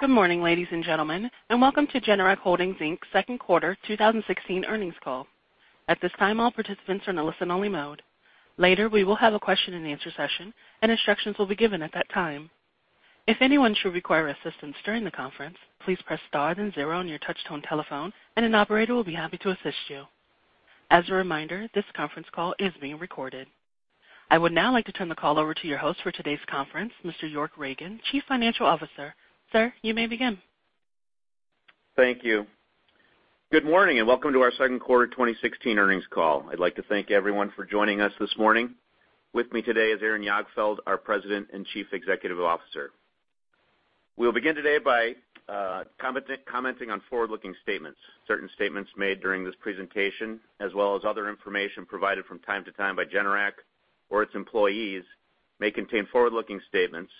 Good morning, ladies and gentlemen, and welcome to Generac Holdings Inc's Second Quarter 2016 Earnings Call. At this time, all participants are in a listen-only mode. Later, we will have a question-and-answer session, and instructions will be given at that time. If anyone should require assistance during the conference, please press star then zero on your touch-tone telephone, and an operator will be happy to assist you. As a reminder, this conference call is being recorded. I would now like to turn the call over to your host for today's conference, Mr. York Ragen, Chief Financial Officer. Sir, you may begin. Thank you. Good morning, welcome to our Second Quarter 2016 Earnings Call. I'd like to thank everyone for joining us this morning. With me today is Aaron Jagdfeld, our President and Chief Executive Officer. We'll begin today by commenting on forward-looking statements. Certain statements made during this presentation, as well as other information provided from time to time by Generac or its employees, may contain forward-looking statements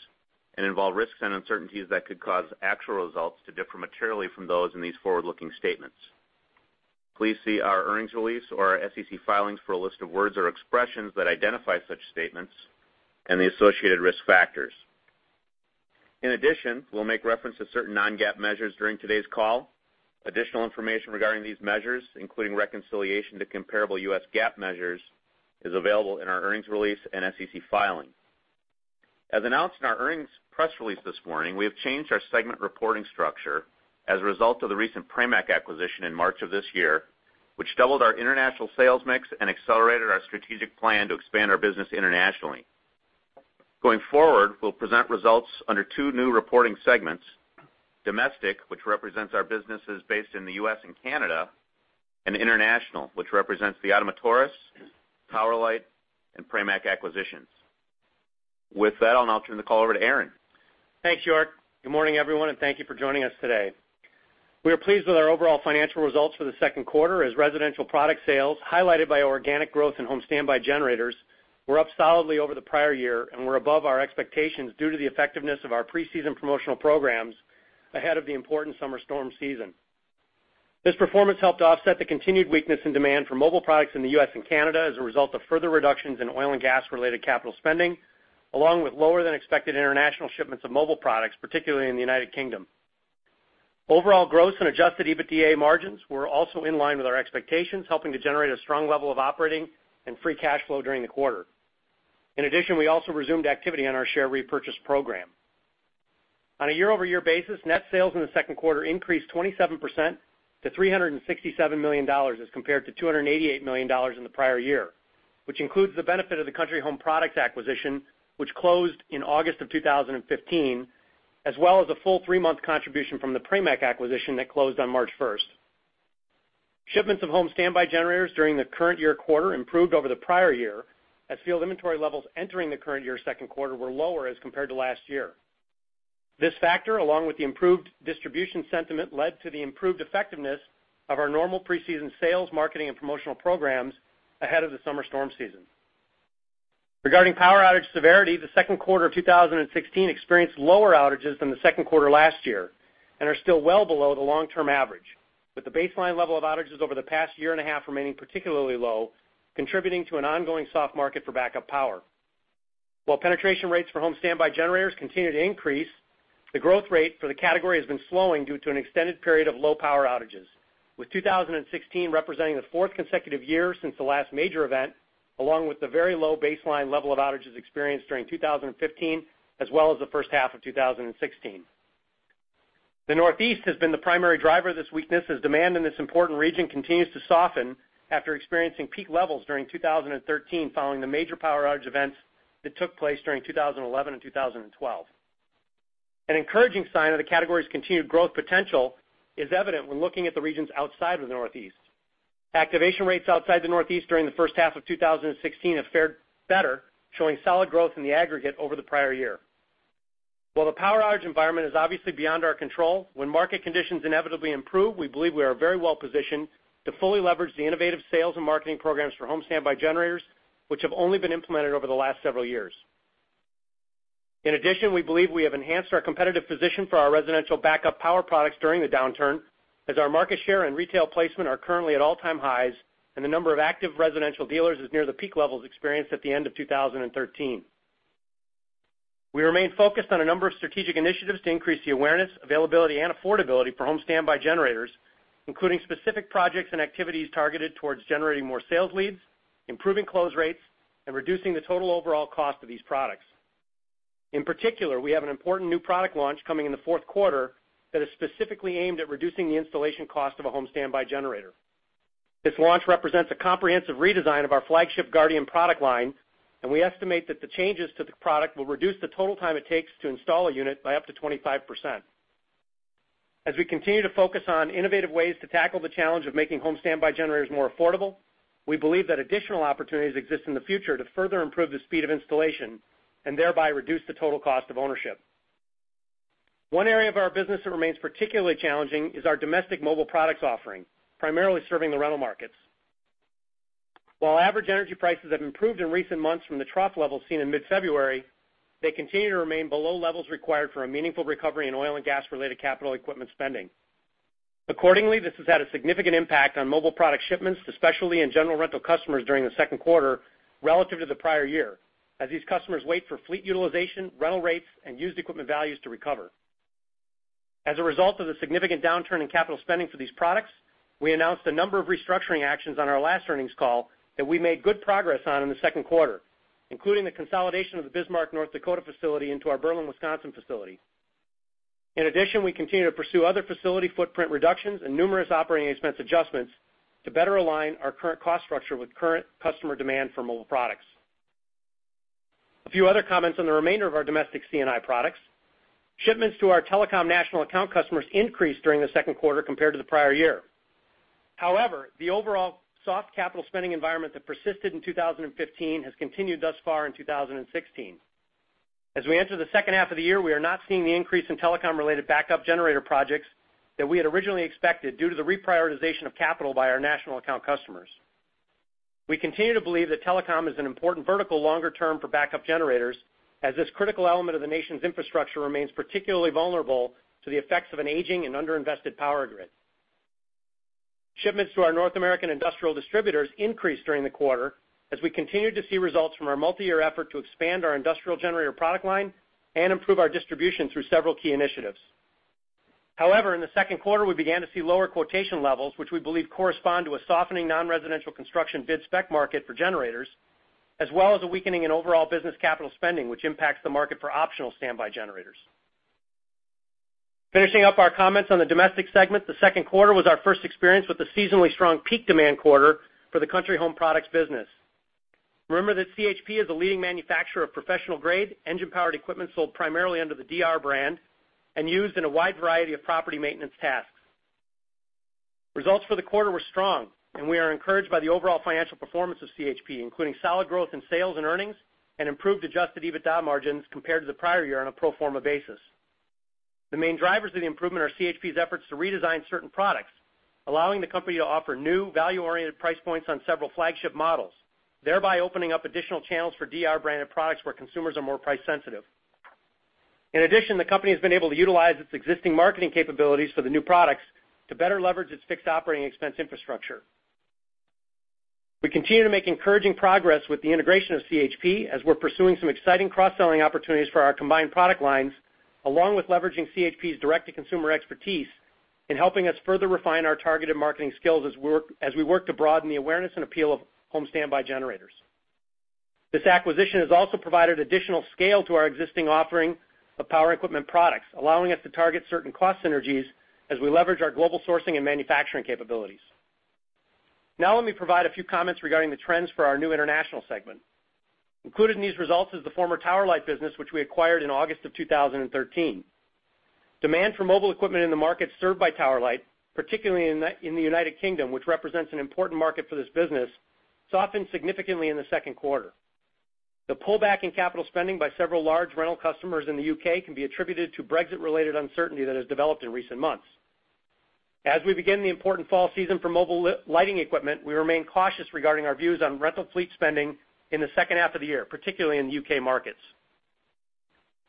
and involve risks and uncertainties that could cause actual results to differ materially from those in these forward-looking statements. Please see our earnings release or our SEC filings for a list of words or expressions that identify such statements and the associated risk factors. In addition, we'll make reference to certain non-GAAP measures during today's call. Additional information regarding these measures, including reconciliation to comparable U.S. GAAP measures, is available in our earnings release and SEC filing. As announced in our earnings press release this morning, we have changed our segment reporting structure as a result of the recent Pramac acquisition in March of this year, which doubled our international sales mix and accelerated our strategic plan to expand our business internationally. Going forward, we'll present results under two new reporting segments: Domestic, which represents our businesses based in the U.S. and Canada, International, which represents the Ottomotores, Tower Light, and Pramac acquisitions. With that, I'll now turn the call over to Aaron. Thanks, York. Good morning, everyone, thank you for joining us today. We are pleased with our overall financial results for the second quarter as residential product sales, highlighted by organic growth in home standby generators, were up solidly over the prior year and were above our expectations due to the effectiveness of our pre-season promotional programs ahead of the important summer storm season. This performance helped offset the continued weakness in demand for mobile products in the U.S. and Canada as a result of further reductions in oil and gas-related capital spending, along with lower than expected international shipments of mobile products, particularly in the United Kingdom. Overall gross and adjusted EBITDA margins were also in line with our expectations, helping to generate a strong level of operating and free cash flow during the quarter. In addition, we also resumed activity on our share repurchase program. On a year-over-year basis, net sales in the second quarter increased 27% to $367 million as compared to $288 million in the prior year, which includes the benefit of the Country Home Products acquisition, which closed in August of 2015, as well as a full three-month contribution from the Pramac acquisition that closed on March 1st. Shipments of home standby generators during the current year quarter improved over the prior year, as field inventory levels entering the current year's second quarter were lower as compared to last year. This factor, along with the improved distribution sentiment, led to the improved effectiveness of our normal pre-season sales, marketing, and promotional programs ahead of the summer storm season. Regarding power outage severity, the second quarter of 2016 experienced lower outages than the second quarter last year and are still well below the long-term average, with the baseline level of outages over the past year and a half remaining particularly low, contributing to an ongoing soft market for backup power. While penetration rates for home standby generators continue to increase, the growth rate for the category has been slowing due to an extended period of low power outages, with 2016 representing the fourth consecutive year since the last major event, along with the very low baseline level of outages experienced during 2015, as well as the first half of 2016. The Northeast has been the primary driver of this weakness as demand in this important region continues to soften after experiencing peak levels during 2013 following the major power outage events that took place during 2011 and 2012. An encouraging sign of the category's continued growth potential is evident when looking at the regions outside of the Northeast. Activation rates outside the Northeast during the first half of 2016 have fared better, showing solid growth in the aggregate over the prior year. While the power outage environment is obviously beyond our control, when market conditions inevitably improve, we believe we are very well positioned to fully leverage the innovative sales and marketing programs for home standby generators, which have only been implemented over the last several years. In addition, we believe we have enhanced our competitive position for our residential backup power products during the downturn as our market share and retail placement are currently at all-time highs, and the number of active residential dealers is near the peak levels experienced at the end of 2013. We remain focused on a number of strategic initiatives to increase the awareness, availability, and affordability for home standby generators, including specific projects and activities targeted towards generating more sales leads, improving close rates, and reducing the total overall cost of these products. In particular, we have an important new product launch coming in the fourth quarter that is specifically aimed at reducing the installation cost of a home standby generator. This launch represents a comprehensive redesign of our flagship Guardian product line, and we estimate that the changes to the product will reduce the total time it takes to install a unit by up to 25%. As we continue to focus on innovative ways to tackle the challenge of making home standby generators more affordable, we believe that additional opportunities exist in the future to further improve the speed of installation and thereby reduce the total cost of ownership. One area of our business that remains particularly challenging is our domestic mobile products offering, primarily serving the rental markets. While average energy prices have improved in recent months from the trough levels seen in mid-February, they continue to remain below levels required for a meaningful recovery in oil and gas-related capital equipment spending. This has had a significant impact on mobile product shipments, especially in general rental customers during the second quarter relative to the prior year, as these customers wait for fleet utilization, rental rates, and used equipment values to recover. As a result of the significant downturn in capital spending for these products, we announced a number of restructuring actions on our last earnings call that we made good progress on in the second quarter, including the consolidation of the Bismarck, North Dakota facility into our Berlin, Wisconsin facility. We continue to pursue other facility footprint reductions and numerous operating expense adjustments to better align our current cost structure with current customer demand for mobile products. A few other comments on the remainder of our domestic C&I products. Shipments to our telecom national account customers increased during the second quarter compared to the prior year. The overall soft capital spending environment that persisted in 2015 has continued thus far in 2016. As we enter the second half of the year, we are not seeing the increase in telecom-related backup generator projects that we had originally expected due to the reprioritization of capital by our national account customers. We continue to believe that telecom is an important vertical longer term for backup generators, as this critical element of the nation's infrastructure remains particularly vulnerable to the effects of an aging and underinvested power grid. Shipments to our North American industrial distributors increased during the quarter as we continued to see results from our multiyear effort to expand our industrial generator product line and improve our distribution through several key initiatives. In the second quarter, we began to see lower quotation levels, which we believe correspond to a softening non-residential construction bid spec market for generators, as well as a weakening in overall business capital spending, which impacts the market for optional standby generators. Finishing up our comments on the domestic segment, the second quarter was our first experience with the seasonally strong peak demand quarter for the Country Home Products business. Remember that CHP is a leading manufacturer of professional-grade engine-powered equipment sold primarily under the DR brand and used in a wide variety of property maintenance tasks. Results for the quarter were strong. We are encouraged by the overall financial performance of CHP, including solid growth in sales and earnings and improved adjusted EBITDA margins compared to the prior year on a pro forma basis. The main drivers of the improvement are CHP's efforts to redesign certain products, allowing the company to offer new value-oriented price points on several flagship models, thereby opening up additional channels for DR branded products where consumers are more price sensitive. The company has been able to utilize its existing marketing capabilities for the new products to better leverage its fixed operating expense infrastructure. We continue to make encouraging progress with the integration of CHP as we're pursuing some exciting cross-selling opportunities for our combined product lines, along with leveraging CHP's direct-to-consumer expertise in helping us further refine our targeted marketing skills as we work to broaden the awareness and appeal of home standby generators. This acquisition has also provided additional scale to our existing offering of power equipment products, allowing us to target certain cost synergies as we leverage our global sourcing and manufacturing capabilities. Now let me provide a few comments regarding the trends for our new international segment. Included in these results is the former Tower Light business, which we acquired in August of 2013. Demand for mobile equipment in the market served by Tower Light, particularly in the United Kingdom, which represents an important market for this business, softened significantly in the second quarter. The pullback in capital spending by several large rental customers in the U.K. can be attributed to Brexit-related uncertainty that has developed in recent months. As we begin the important fall season for mobile lighting equipment, we remain cautious regarding our views on rental fleet spending in the second half of the year, particularly in the U.K. markets.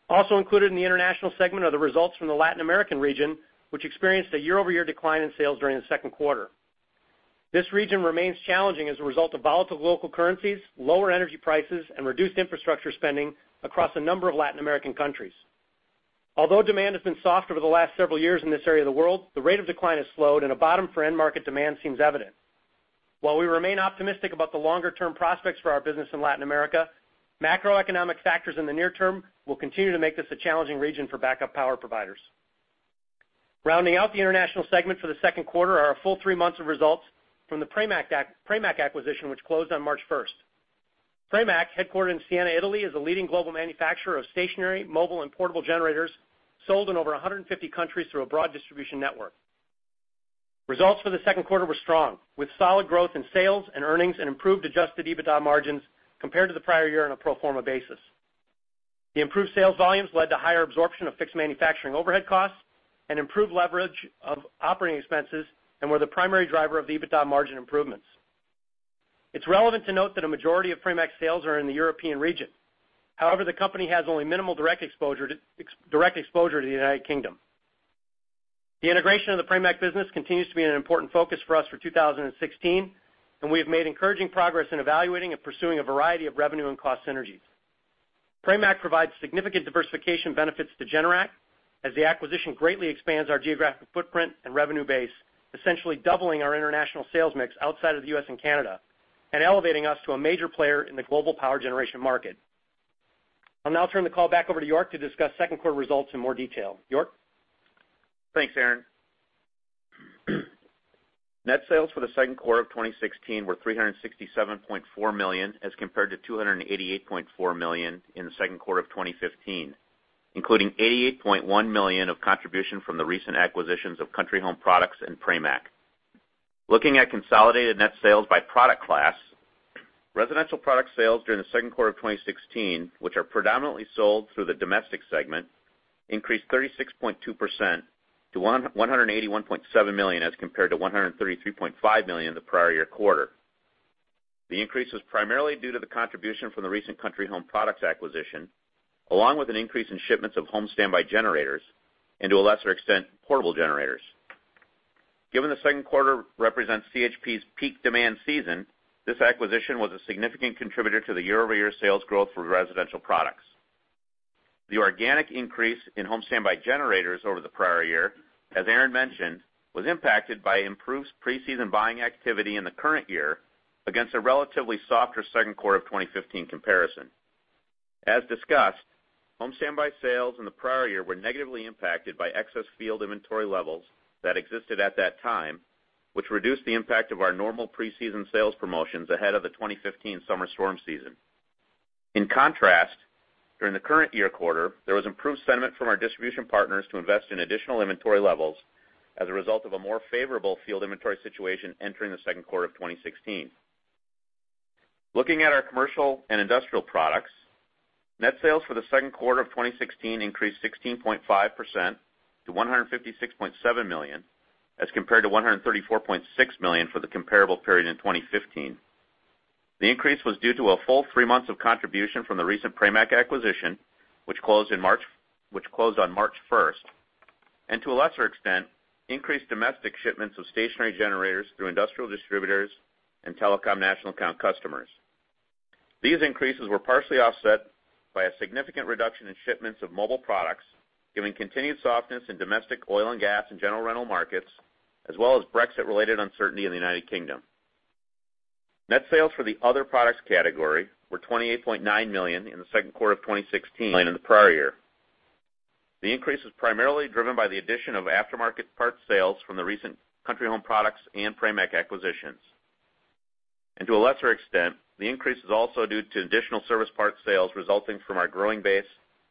Also included in the international segment are the results from the Latin American region, which experienced a year-over-year decline in sales during the second quarter. This region remains challenging as a result of volatile local currencies, lower energy prices, and reduced infrastructure spending across a number of Latin American countries. Although demand has been soft over the last several years in this area of the world, the rate of decline has slowed and a bottom for end market demand seems evident. While we remain optimistic about the longer-term prospects for our business in Latin America, macroeconomic factors in the near term will continue to make this a challenging region for backup power providers. Rounding out the international segment for the second quarter are our full three months of results from the Pramac acquisition, which closed on March 1st. Pramac, headquartered in Siena, Italy, is a leading global manufacturer of stationary, mobile, and portable generators sold in over 150 countries through a broad distribution network. Results for the second quarter were strong, with solid growth in sales and earnings and improved adjusted EBITDA margins compared to the prior year on a pro forma basis. The improved sales volumes led to higher absorption of fixed manufacturing overhead costs and improved leverage of operating expenses and were the primary driver of the EBITDA margin improvements. It's relevant to note that a majority of Pramac sales are in the European region. However, the company has only minimal direct exposure to the United Kingdom. The integration of the Pramac business continues to be an important focus for us for 2016, and we have made encouraging progress in evaluating and pursuing a variety of revenue and cost synergies. Pramac provides significant diversification benefits to Generac as the acquisition greatly expands our geographic footprint and revenue base, essentially doubling our international sales mix outside of the U.S. and Canada and elevating us to a major player in the global power generation market. I'll now turn the call back over to York to discuss second quarter results in more detail. York? Thanks, Aaron. Net sales for the second quarter of 2016 were $367.4 million as compared to $288.4 million in the second quarter of 2015, including $88.1 million of contribution from the recent acquisitions of Country Home Products and Pramac. Looking at consolidated net sales by product class, residential product sales during the second quarter of 2016, which are predominantly sold through the domestic segment, increased 36.2% to $181.7 million as compared to $133.5 million in the prior year quarter. The increase was primarily due to the contribution from the recent Country Home Products acquisition, along with an increase in shipments of home standby generators and, to a lesser extent, portable generators. Given the second quarter represents CHP's peak demand season, this acquisition was a significant contributor to the year-over-year sales growth for residential products. The organic increase in home standby generators over the prior year, as Aaron mentioned, was impacted by improved pre-season buying activity in the current year against a relatively softer second quarter of 2015 comparison. As discussed, home standby sales in the prior year were negatively impacted by excess field inventory levels that existed at that time, which reduced the impact of our normal pre-season sales promotions ahead of the 2015 summer storm season. In contrast, during the current year quarter, there was improved sentiment from our distribution partners to invest in additional inventory levels as a result of a more favorable field inventory situation entering the second quarter of 2016. Looking at our commercial and industrial products, net sales for the second quarter of 2016 increased 16.5% to $156.7 million, as compared to $134.6 million for the comparable period in 2015. The increase was due to a full three months of contribution from the recent Pramac acquisition, which closed on March 1st, and to a lesser extent, increased domestic shipments of stationary generators through industrial distributors and telecom national account customers. These increases were partially offset by a significant reduction in shipments of mobile products, given continued softness in domestic oil and gas and general rental markets, as well as Brexit-related uncertainty in the United Kingdom. Net sales for the other products category were $28.9 million in the second quarter of 2016 in the prior year. The increase was primarily driven by the addition of aftermarket parts sales from the recent Country Home Products and Pramac acquisitions. To a lesser extent, the increase is also due to additional service parts sales resulting from our growing base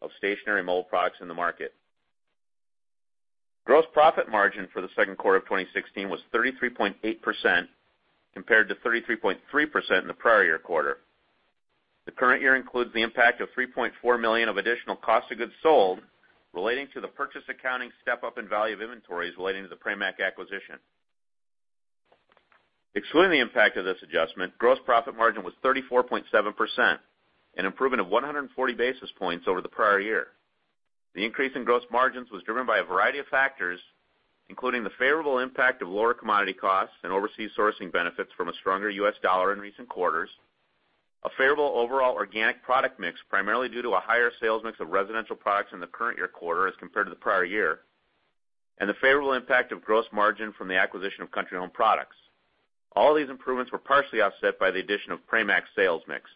of stationary mobile products in the market. Gross profit margin for the second quarter of 2016 was 33.8%, compared to 33.3% in the prior year quarter. The current year includes the impact of $3.4 million of additional cost of goods sold relating to the purchase accounting step-up in value of inventories relating to the Pramac acquisition. Excluding the impact of this adjustment, gross profit margin was 34.7%, an improvement of 140 basis points over the prior year. The increase in gross margins was driven by a variety of factors, including the favorable impact of lower commodity costs and overseas sourcing benefits from a stronger U.S. dollar in recent quarters, a favorable overall organic product mix, primarily due to a higher sales mix of residential products in the current year quarter as compared to the prior year, and the favorable impact of gross margin from the acquisition of Country Home Products. All these improvements were partially offset by the addition of Pramac sales mix.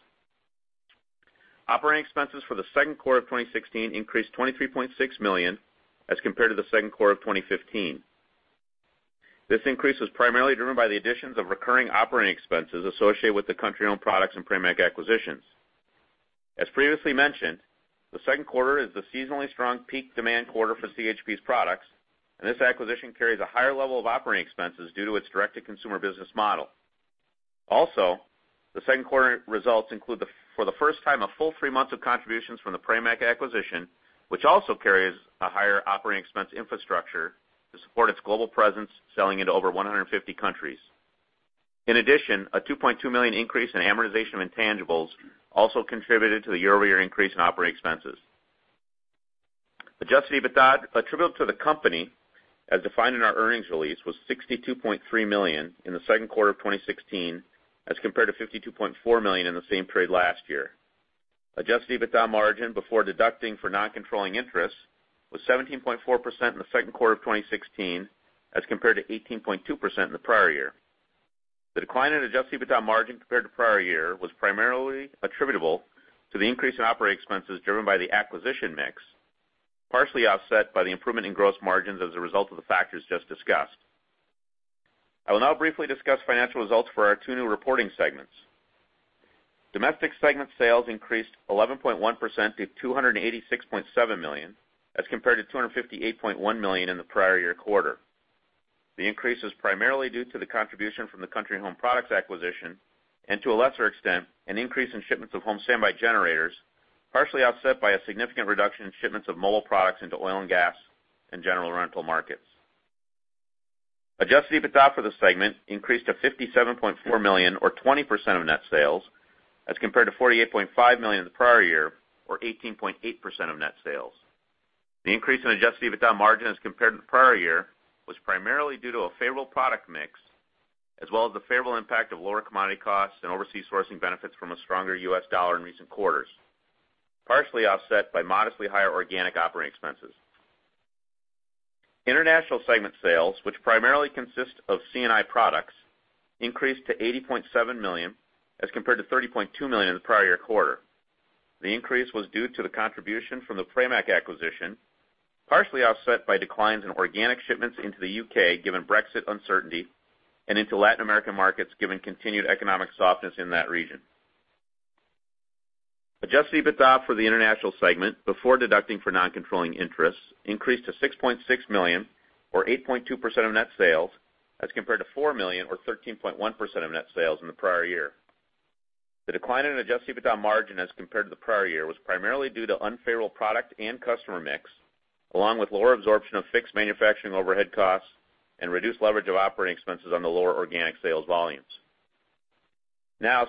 Operating expenses for the second quarter of 2016 increased $23.6 million as compared to the second quarter of 2015. This increase was primarily driven by the additions of recurring operating expenses associated with the Country Home Products and Pramac acquisitions. As previously mentioned, the second quarter is the seasonally strong peak demand quarter for CHP's products, and this acquisition carries a higher level of operating expenses due to its direct-to-consumer business model. Also, the second quarter results include, for the first time, a full three months of contributions from the Pramac acquisition, which also carries a higher operating expense infrastructure to support its global presence, selling into over 150 countries. In addition, a $2.2 million increase in amortization of intangibles also contributed to the year-over-year increase in operating expenses. Adjusted EBITDA attributable to the company, as defined in our earnings release, was $62.3 million in the second quarter of 2016, as compared to $52.4 million in the same period last year. Adjusted EBITDA margin before deducting for non-controlling interests was 17.4% in the second quarter of 2016, as compared to 18.2% in the prior year. The decline in adjusted EBITDA margin compared to prior year was primarily attributable to the increase in operating expenses driven by the acquisition mix, partially offset by the improvement in gross margins as a result of the factors just discussed. I will now briefly discuss financial results for our two new reporting segments. Domestic segment sales increased 11.1% to $286.7 million, as compared to $258.1 million in the prior year quarter. The increase is primarily due to the contribution from the Country Home Products acquisition and, to a lesser extent, an increase in shipments of home standby generators, partially offset by a significant reduction in shipments of mobile products into oil and gas and general rental markets. Adjusted EBITDA for the segment increased to $57.4 million or 20% of net sales, as compared to $48.5 million in the prior year or 18.8% of net sales. The increase in adjusted EBITDA margin as compared to the prior year was primarily due to a favorable product mix, as well as the favorable impact of lower commodity costs and overseas sourcing benefits from a stronger U.S. dollar in recent quarters, partially offset by modestly higher organic operating expenses. International segment sales, which primarily consist of C&I products, increased to $80.7 million, as compared to $30.2 million in the prior year quarter. The increase was due to the contribution from the Pramac acquisition, partially offset by declines in organic shipments into the U.K., given Brexit uncertainty, and into Latin American markets, given continued economic softness in that region. Adjusted EBITDA for the international segment before deducting for non-controlling interests increased to $6.6 million or 8.2% of net sales, as compared to $4 million or 13.1% of net sales in the prior year. The decline in adjusted EBITDA margin as compared to the prior year was primarily due to unfavorable product and customer mix, along with lower absorption of fixed manufacturing overhead costs and reduced leverage of operating expenses on the lower organic sales volumes.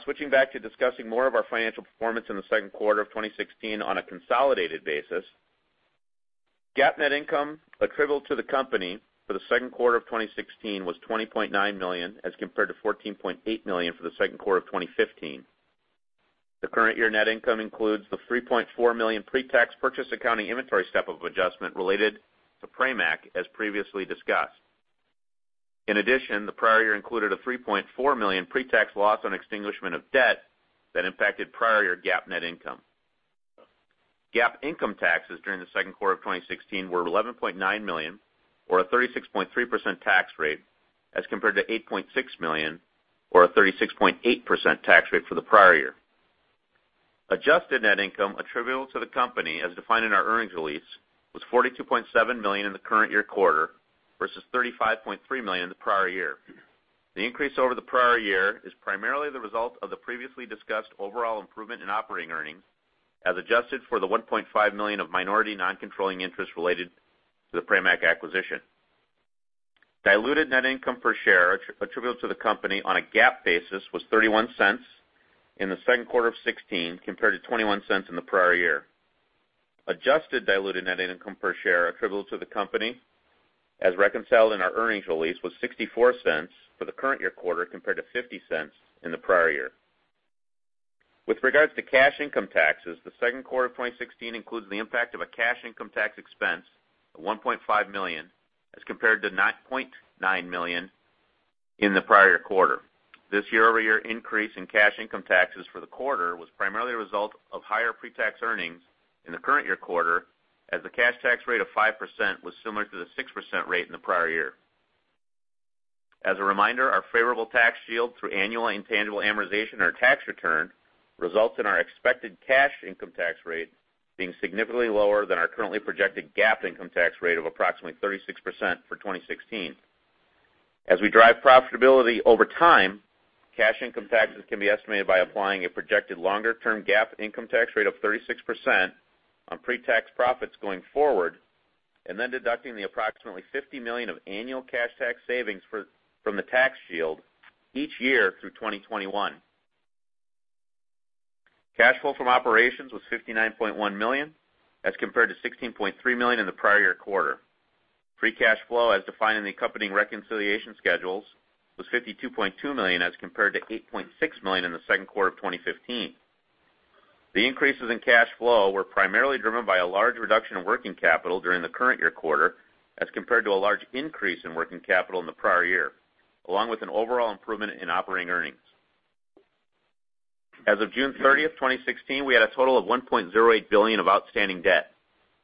Switching back to discussing more of our financial performance in the second quarter of 2016 on a consolidated basis. GAAP net income attributable to the company for the second quarter of 2016 was $20.9 million, as compared to $14.8 million for the second quarter of 2015. The current year net income includes the $3.4 million pre-tax purchase accounting inventory step-up adjustment related to Pramac, as previously discussed. In addition, the prior year included a $3.4 million pre-tax loss on extinguishment of debt that impacted prior year GAAP net income. GAAP income taxes during the second quarter of 2016 were $11.9 million or a 36.3% tax rate as compared to $8.6 million or a 36.8% tax rate for the prior year. Adjusted net income attributable to the company as defined in our earnings release, was $42.7 million in the current year quarter versus $35.3 million in the prior year. The increase over the prior year is primarily the result of the previously discussed overall improvement in operating earnings, as adjusted for the $1.5 million of minority non-controlling interest related to the Pramac acquisition. Diluted net income per share attributable to the company on a GAAP basis was $0.31 in the second quarter of 2016, compared to $0.21 in the prior year. Adjusted diluted net income per share attributable to the company as reconciled in our earnings release, was $0.64 for the current year quarter, compared to $0.50 in the prior year. With regards to cash income taxes, the second quarter of 2016 includes the impact of a cash income tax expense of $1.5 million as compared to $9.9 million in the prior year quarter. This year-over-year increase in cash income taxes for the quarter was primarily a result of higher pre-tax earnings in the current year quarter as the cash tax rate of 5% was similar to the 6% rate in the prior year. As a reminder, our favorable tax shield through annual intangible amortization on our tax return results in our expected cash income tax rate being significantly lower than our currently projected GAAP income tax rate of approximately 36% for 2016. As we drive profitability over time, cash income taxes can be estimated by applying a projected longer-term GAAP income tax rate of 36% on pre-tax profits going forward, then deducting the approximately $50 million of annual cash tax savings from the tax shield each year through 2021. Cash flow from operations was $59.1 million as compared to $16.3 million in the prior year quarter. Free cash flow, as defined in the accompanying reconciliation schedules, was $52.2 million as compared to $8.6 million in the second quarter of 2015. The increases in cash flow were primarily driven by a large reduction in working capital during the current year quarter as compared to a large increase in working capital in the prior year, along with an overall improvement in operating earnings. As of June 30th, 2016, we had a total of $1.08 billion of outstanding debt,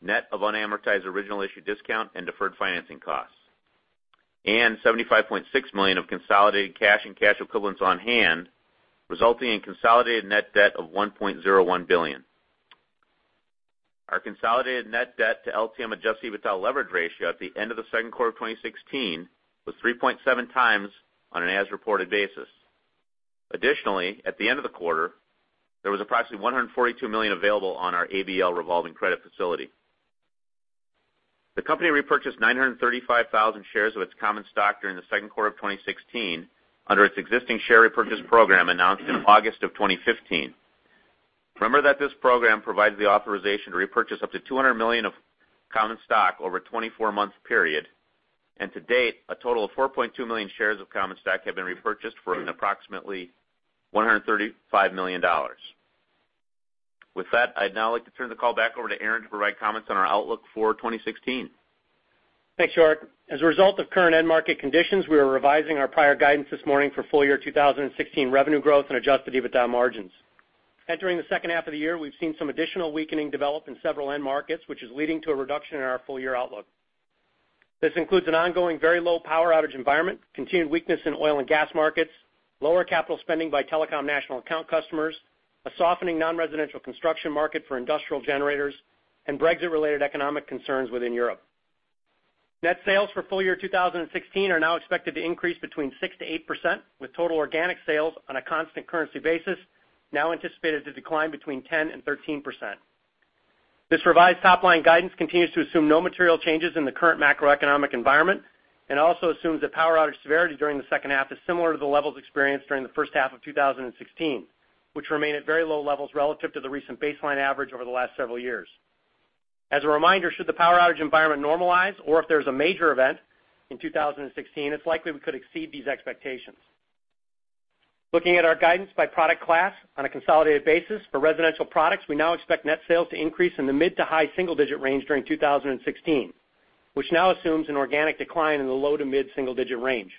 net of unamortized original issue discount and deferred financing costs, and $75.6 million of consolidated cash and cash equivalents on hand, resulting in consolidated net debt of $1.01 billion. Our consolidated net debt to LTM adjusted EBITDA leverage ratio at the end of the second quarter of 2016 was 3.7 times on an as-reported basis. Additionally, at the end of the quarter, there was approximately $142 million available on our ABL revolving credit facility. The company repurchased 935,000 shares of its common stock during the second quarter of 2016 under its existing share repurchase program announced in August of 2015. To date, a total of 4.2 million shares of common stock have been repurchased for approximately $135 million. With that, I'd now like to turn the call back over to Aaron to provide comments on our outlook for 2016. Thanks, York. As a result of current end market conditions, we are revising our prior guidance this morning for full-year 2016 revenue growth and adjusted EBITDA margins. Entering the second half of the year, we've seen some additional weakening develop in several end markets, which is leading to a reduction in our full-year outlook. This includes an ongoing very low power outage environment, continued weakness in oil and gas markets, lower capital spending by telecom national account customers, a softening non-residential construction market for industrial generators, and Brexit-related economic concerns within Europe. Net sales for full-year 2016 are now expected to increase between 6%-8%, with total organic sales on a constant currency basis now anticipated to decline between 10% and 13%. This revised top-line guidance continues to assume no material changes in the current macroeconomic environment and also assumes that power outage severity during the second half is similar to the levels experienced during the first half of 2016, which remain at very low levels relative to the recent baseline average over the last several years. As a reminder, should the power outage environment normalize or if there is a major event in 2016, it's likely we could exceed these expectations. Looking at our guidance by product class on a consolidated basis, for residential products, we now expect net sales to increase in the mid to high single-digit range during 2016, which now assumes an organic decline in the low to mid single-digit range.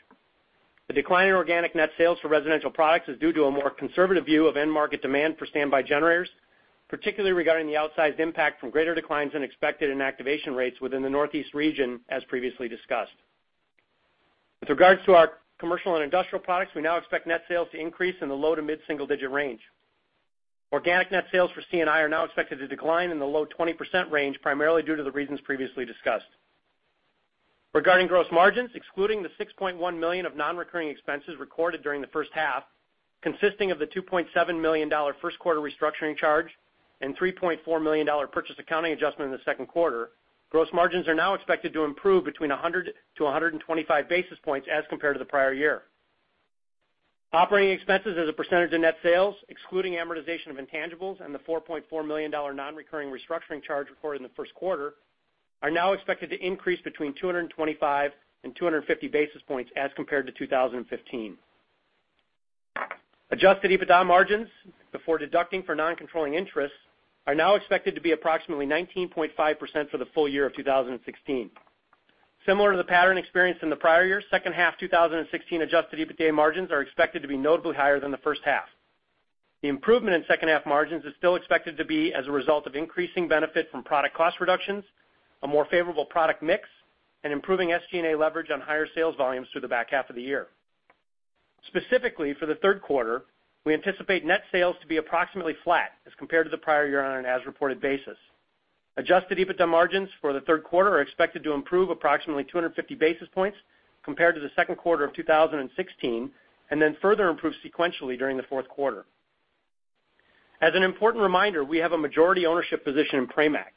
The decline in organic net sales for residential products is due to a more conservative view of end market demand for standby generators, particularly regarding the outsized impact from greater declines than expected in activation rates within the Northeast region, as previously discussed. With regards to our commercial and industrial products, we now expect net sales to increase in the low to mid single-digit range. Organic net sales for C&I are now expected to decline in the low 20% range, primarily due to the reasons previously discussed. Regarding gross margins, excluding the $6.1 million of non-recurring expenses recorded during the first half, consisting of the $2.7 million first quarter restructuring charge and $3.4 million purchase accounting adjustment in the second quarter, gross margins are now expected to improve between 100-125 basis points as compared to the prior year. Operating expenses as a percentage of net sales, excluding amortization of intangibles and the $4.4 million non-recurring restructuring charge recorded in the first quarter, are now expected to increase between 225 and 250 basis points as compared to 2015. Adjusted EBITDA margins, before deducting for non-controlling interests, are now expected to be approximately 19.5% for the full year of 2016. Similar to the pattern experienced in the prior year, second half 2016 Adjusted EBITDA margins are expected to be notably higher than the first half. The improvement in second half margins is still expected to be as a result of increasing benefit from product cost reductions, a more favorable product mix, and improving SG&A leverage on higher sales volumes through the back half of the year. Specifically, for the third quarter, we anticipate net sales to be approximately flat as compared to the prior year on an as-reported basis. Adjusted EBITDA margins for the third quarter are expected to improve approximately 250 basis points compared to the second quarter of 2016. Then further improve sequentially during the fourth quarter. As an important reminder, we have a majority ownership position in Pramac,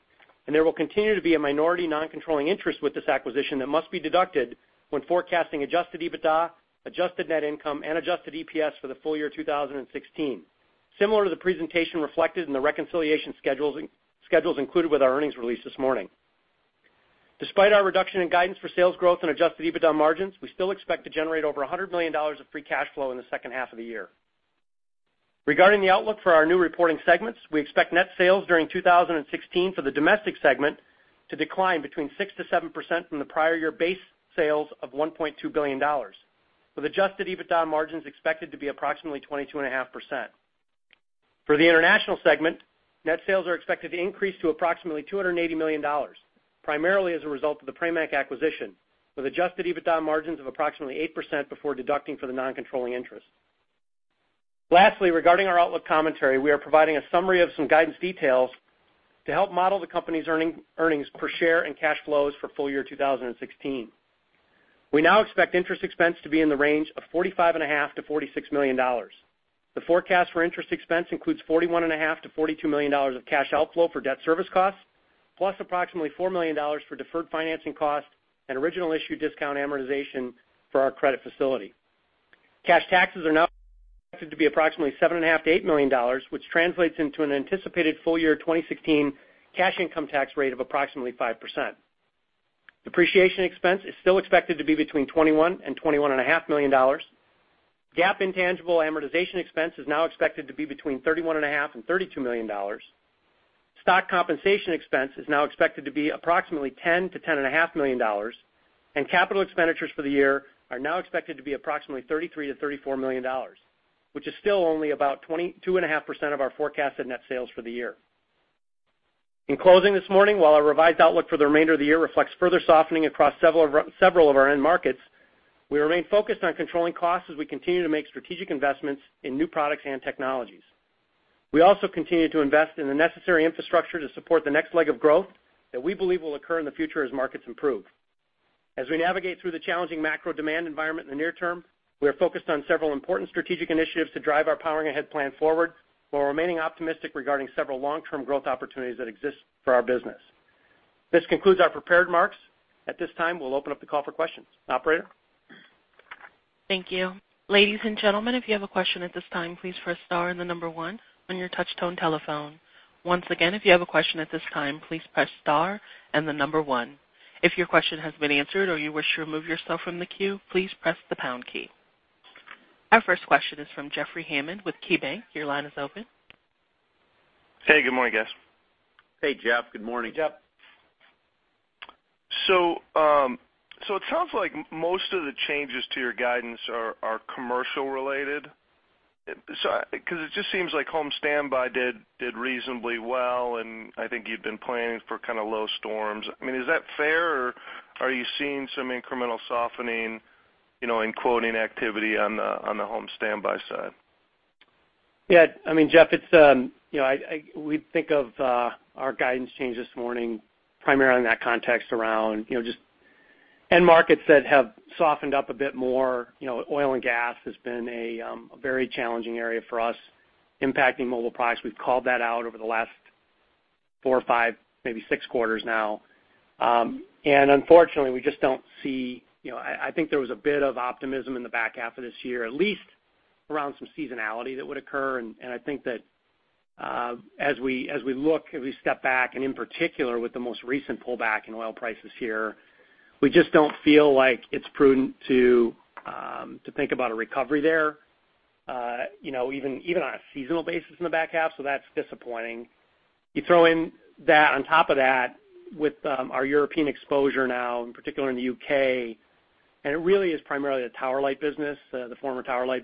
and there will continue to be a minority non-controlling interest with this acquisition that must be deducted when forecasting Adjusted EBITDA, adjusted net income, and adjusted EPS for the full year 2016, similar to the presentation reflected in the reconciliation schedules included with our earnings release this morning. Despite our reduction in guidance for sales growth and adjusted EBITDA margins, we still expect to generate over $100 million of free cash flow in the second half of the year. Regarding the outlook for our new reporting segments, we expect net sales during 2016 for the domestic segment to decline between 6%-7% from the prior year base sales of $1.2 billion, with Adjusted EBITDA margins expected to be approximately 22.5%. For the international segment, net sales are expected to increase to approximately $280 million, primarily as a result of the Pramac acquisition, with Adjusted EBITDA margins of approximately 8% before deducting for the non-controlling interest. Lastly, regarding our outlook commentary, we are providing a summary of some guidance details to help model the company's earnings per share and cash flows for full year 2016. We now expect interest expense to be in the range of $45.5 million-$46 million. The forecast for interest expense includes $41.5 million-$42 million of cash outflow for debt service costs, plus approximately $4 million for deferred financing costs and original issue discount amortization for our credit facility. Cash taxes are now expected to be approximately $7.5 million-$8 million, which translates into an anticipated full year 2016 cash income tax rate of approximately 5%. Depreciation expense is still expected to be between $21 million and $21.5 million. GAAP intangible amortization expense is now expected to be between $31.5 million and $32 million. Stock compensation expense is now expected to be approximately $10 million-$10.5 million, and capital expenditures for the year are now expected to be approximately $33 million-$34 million, which is still only about 22.5% of our forecasted net sales for the year. In closing this morning, while our revised outlook for the remainder of the year reflects further softening across several of our end markets, we remain focused on controlling costs as we continue to make strategic investments in new products and technologies. We also continue to invest in the necessary infrastructure to support the next leg of growth that we believe will occur in the future as markets improve. As we navigate through the challenging macro demand environment in the near term, we are focused on several important strategic initiatives to drive our Powering Ahead plan forward, while remaining optimistic regarding several long-term growth opportunities that exist for our business. This concludes our prepared remarks. At this time, we will open up the call for questions. Operator? Thank you. Ladies and gentlemen, if you have a question at this time, please press star and the number one on your touch-tone telephone. Once again, if you have a question at this time, please press star and the number one. If your question has been answered or you wish to remove yourself from the queue, please press the pound key. Our first question is from Jeffrey Hammond with KeyBanc. Your line is open. Hey, good morning, guys. Hey, Jeff. Good morning. Hey, Jeff. It sounds like most of the changes to your guidance are commercial related? Because it just seems like home standby did reasonably well, and I think you'd been planning for kind of low storms. Is that fair, or are you seeing some incremental softening in quoting activity on the home standby side? Yeah. Jeff, we think of our guidance change this morning primarily in that context around just end markets that have softened up a bit more. Oil and gas has been a very challenging area for us, impacting mobile products. We've called that out over the last four or five, maybe six quarters now. Unfortunately, I think there was a bit of optimism in the back half of this year, at least around some seasonality that would occur. I think that as we look, as we step back, and in particular with the most recent pullback in oil prices here, we just don't feel like it's prudent to think about a recovery there, even on a seasonal basis in the back half, so that's disappointing. You throw in on top of that with our European exposure now, in particular in the U.K., and it really is primarily the former Tower Light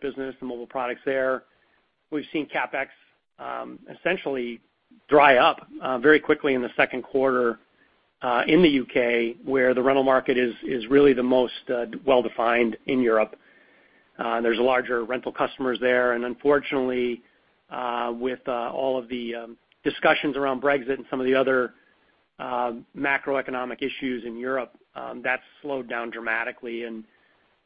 business, the mobile products there. We've seen CapEx essentially dry up very quickly in the second quarter in the U.K., where the rental market is really the most well-defined in Europe. There's larger rental customers there, and unfortunately, with all of the discussions around Brexit and some of the other macroeconomic issues in Europe, that's slowed down dramatically.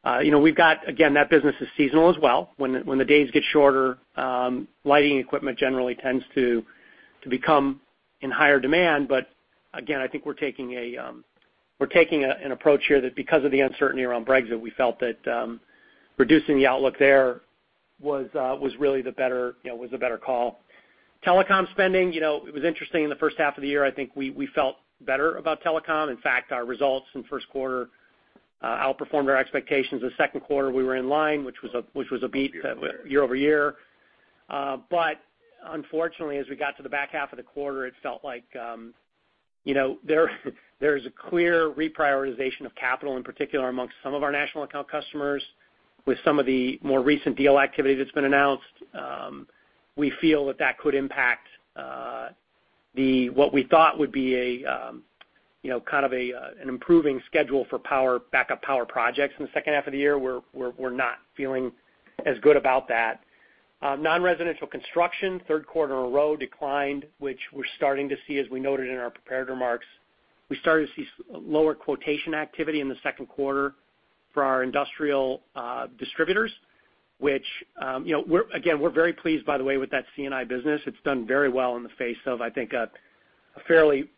Again, that business is seasonal as well. When the days get shorter, lighting equipment generally tends to become in higher demand. Again, I think we're taking an approach here that because of the uncertainty around Brexit, we felt that reducing the outlook there was really the better call. Telecom spending, it was interesting in the first half of the year, I think we felt better about telecom. In fact, our results in the first quarter outperformed our expectations. The second quarter we were in line, which was a beat year-over-year. Unfortunately, as we got to the back half of the quarter, it felt like there is a clear reprioritization of capital, in particular amongst some of our national account customers with some of the more recent deal activity that's been announced. We feel that that could impact what we thought would be kind of an improving schedule for backup power projects in the second half of the year. We're not feeling as good about that. Non-residential construction, third quarter in a row declined, which we're starting to see, as we noted in our prepared remarks. We started to see lower quotation activity in the second quarter for our industrial distributors, which again, we're very pleased, by the way, with that C&I business. It's done very well in the face of, I think, a fairly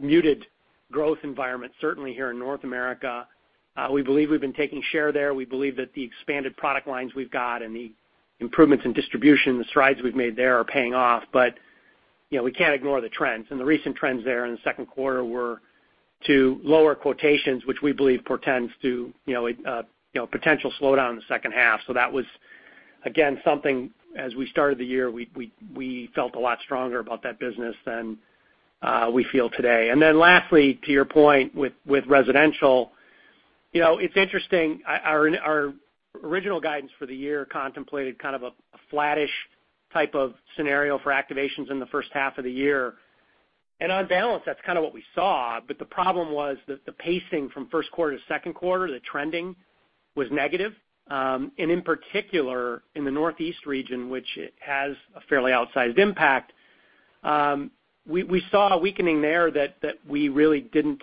muted growth environment, certainly here in North America. We believe we've been taking share there. We believe that the expanded product lines we've got and the improvements in distribution, the strides we've made there are paying off. We can't ignore the trends. The recent trends there in the second quarter were to lower quotations, which we believe portends to a potential slowdown in the second half. That was, again, something as we started the year, we felt a lot stronger about that business than we feel today. Lastly, to your point with residential, it's interesting. Our original guidance for the year contemplated kind of a flattish type of scenario for activations in the first half of the year. On balance, that's kind of what we saw. The problem was that the pacing from first quarter to second quarter, the trending was negative. In particular, in the Northeast region, which has a fairly outsized impact, we saw a weakening there that we really didn't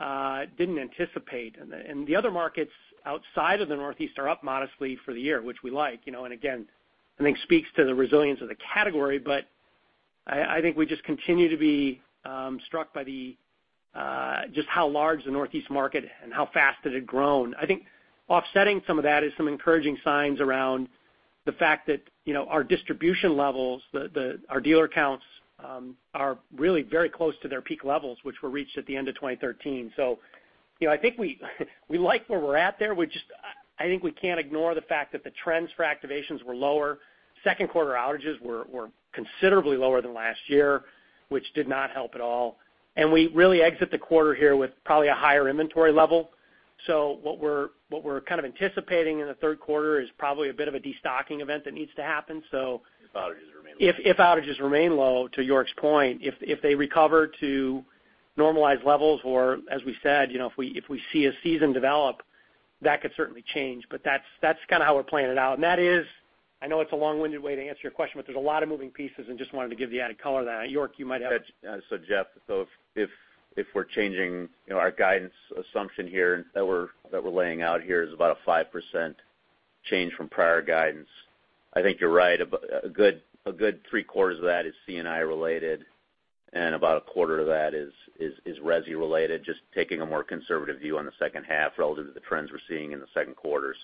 anticipate. The other markets outside of the Northeast are up modestly for the year, which we like. Again, I think speaks to the resilience of the category, I think we just continue to be struck by just how large the Northeast market and how fast it had grown. I think offsetting some of that is some encouraging signs around the fact that our distribution levels, our dealer counts, are really very close to their peak levels, which were reached at the end of 2013. I think we like where we're at there. I think we can't ignore the fact that the trends for activations were lower. Second quarter outages were considerably lower than last year, which did not help at all. We really exit the quarter here with probably a higher inventory level. What we're kind of anticipating in the third quarter is probably a bit of a destocking event that needs to happen. If outages remain low, to York's point. If they recover to normalized levels, or as we said, if we see a season develop, that could certainly change. That's kind of how we're playing it out. That is, I know it's a long-winded way to answer your question, but there's a lot of moving pieces, and just wanted to give the added color there. York, you might have. Jeff, if we're changing our guidance assumption here that we're laying out here is about a 5% change from prior guidance. I think you're right. A good three-quarters of that is C&I related, and about a quarter of that is resi related, just taking a more conservative view on the second half relative to the trends we're seeing in the second quarter.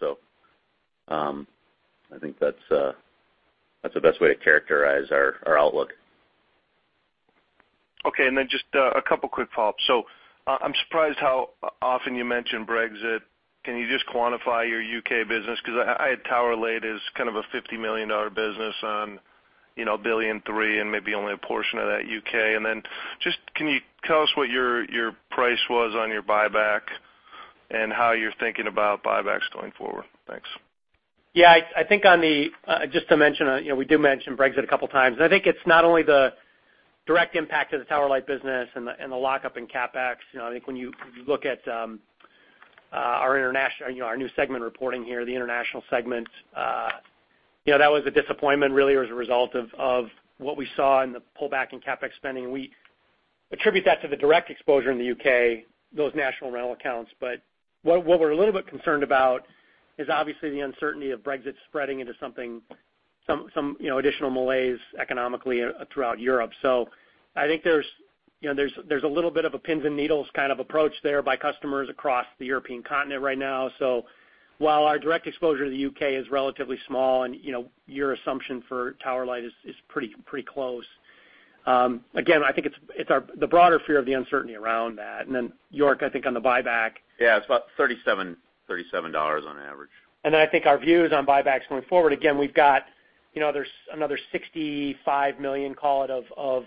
I think that's the best way to characterize our outlook. Just a couple quick follow-ups. I'm surprised how often you mention Brexit. Can you just quantify your U.K. business? Because I had Tower Light as kind of a $50 million business on a $1 billion and three, and maybe only a portion of that U.K. Just can you tell us what your price was on your buyback and how you're thinking about buybacks going forward? Thanks. Yeah, just to mention, we do mention Brexit a couple of times. I think it's not only the direct impact of the Tower Light business and the lockup in CapEx. I think when you look at our new segment reporting here, the international segment, that was a disappointment really as a result of what we saw in the pullback in CapEx spending. We attribute that to the direct exposure in the U.K., those national rental accounts. What we're a little bit concerned about is obviously the uncertainty of Brexit spreading into some additional malaise economically throughout Europe. I think there's a little bit of a pins and needles kind of approach there by customers across the European continent right now. While our direct exposure to the U.K. is relatively small and your assumption for Tower Light is pretty close. Again, I think it's the broader fear of the uncertainty around that. York, I think on the buyback. Yeah, it's about $37 million on average. I think our views on buybacks going forward, again, there's another $65 million, call it, of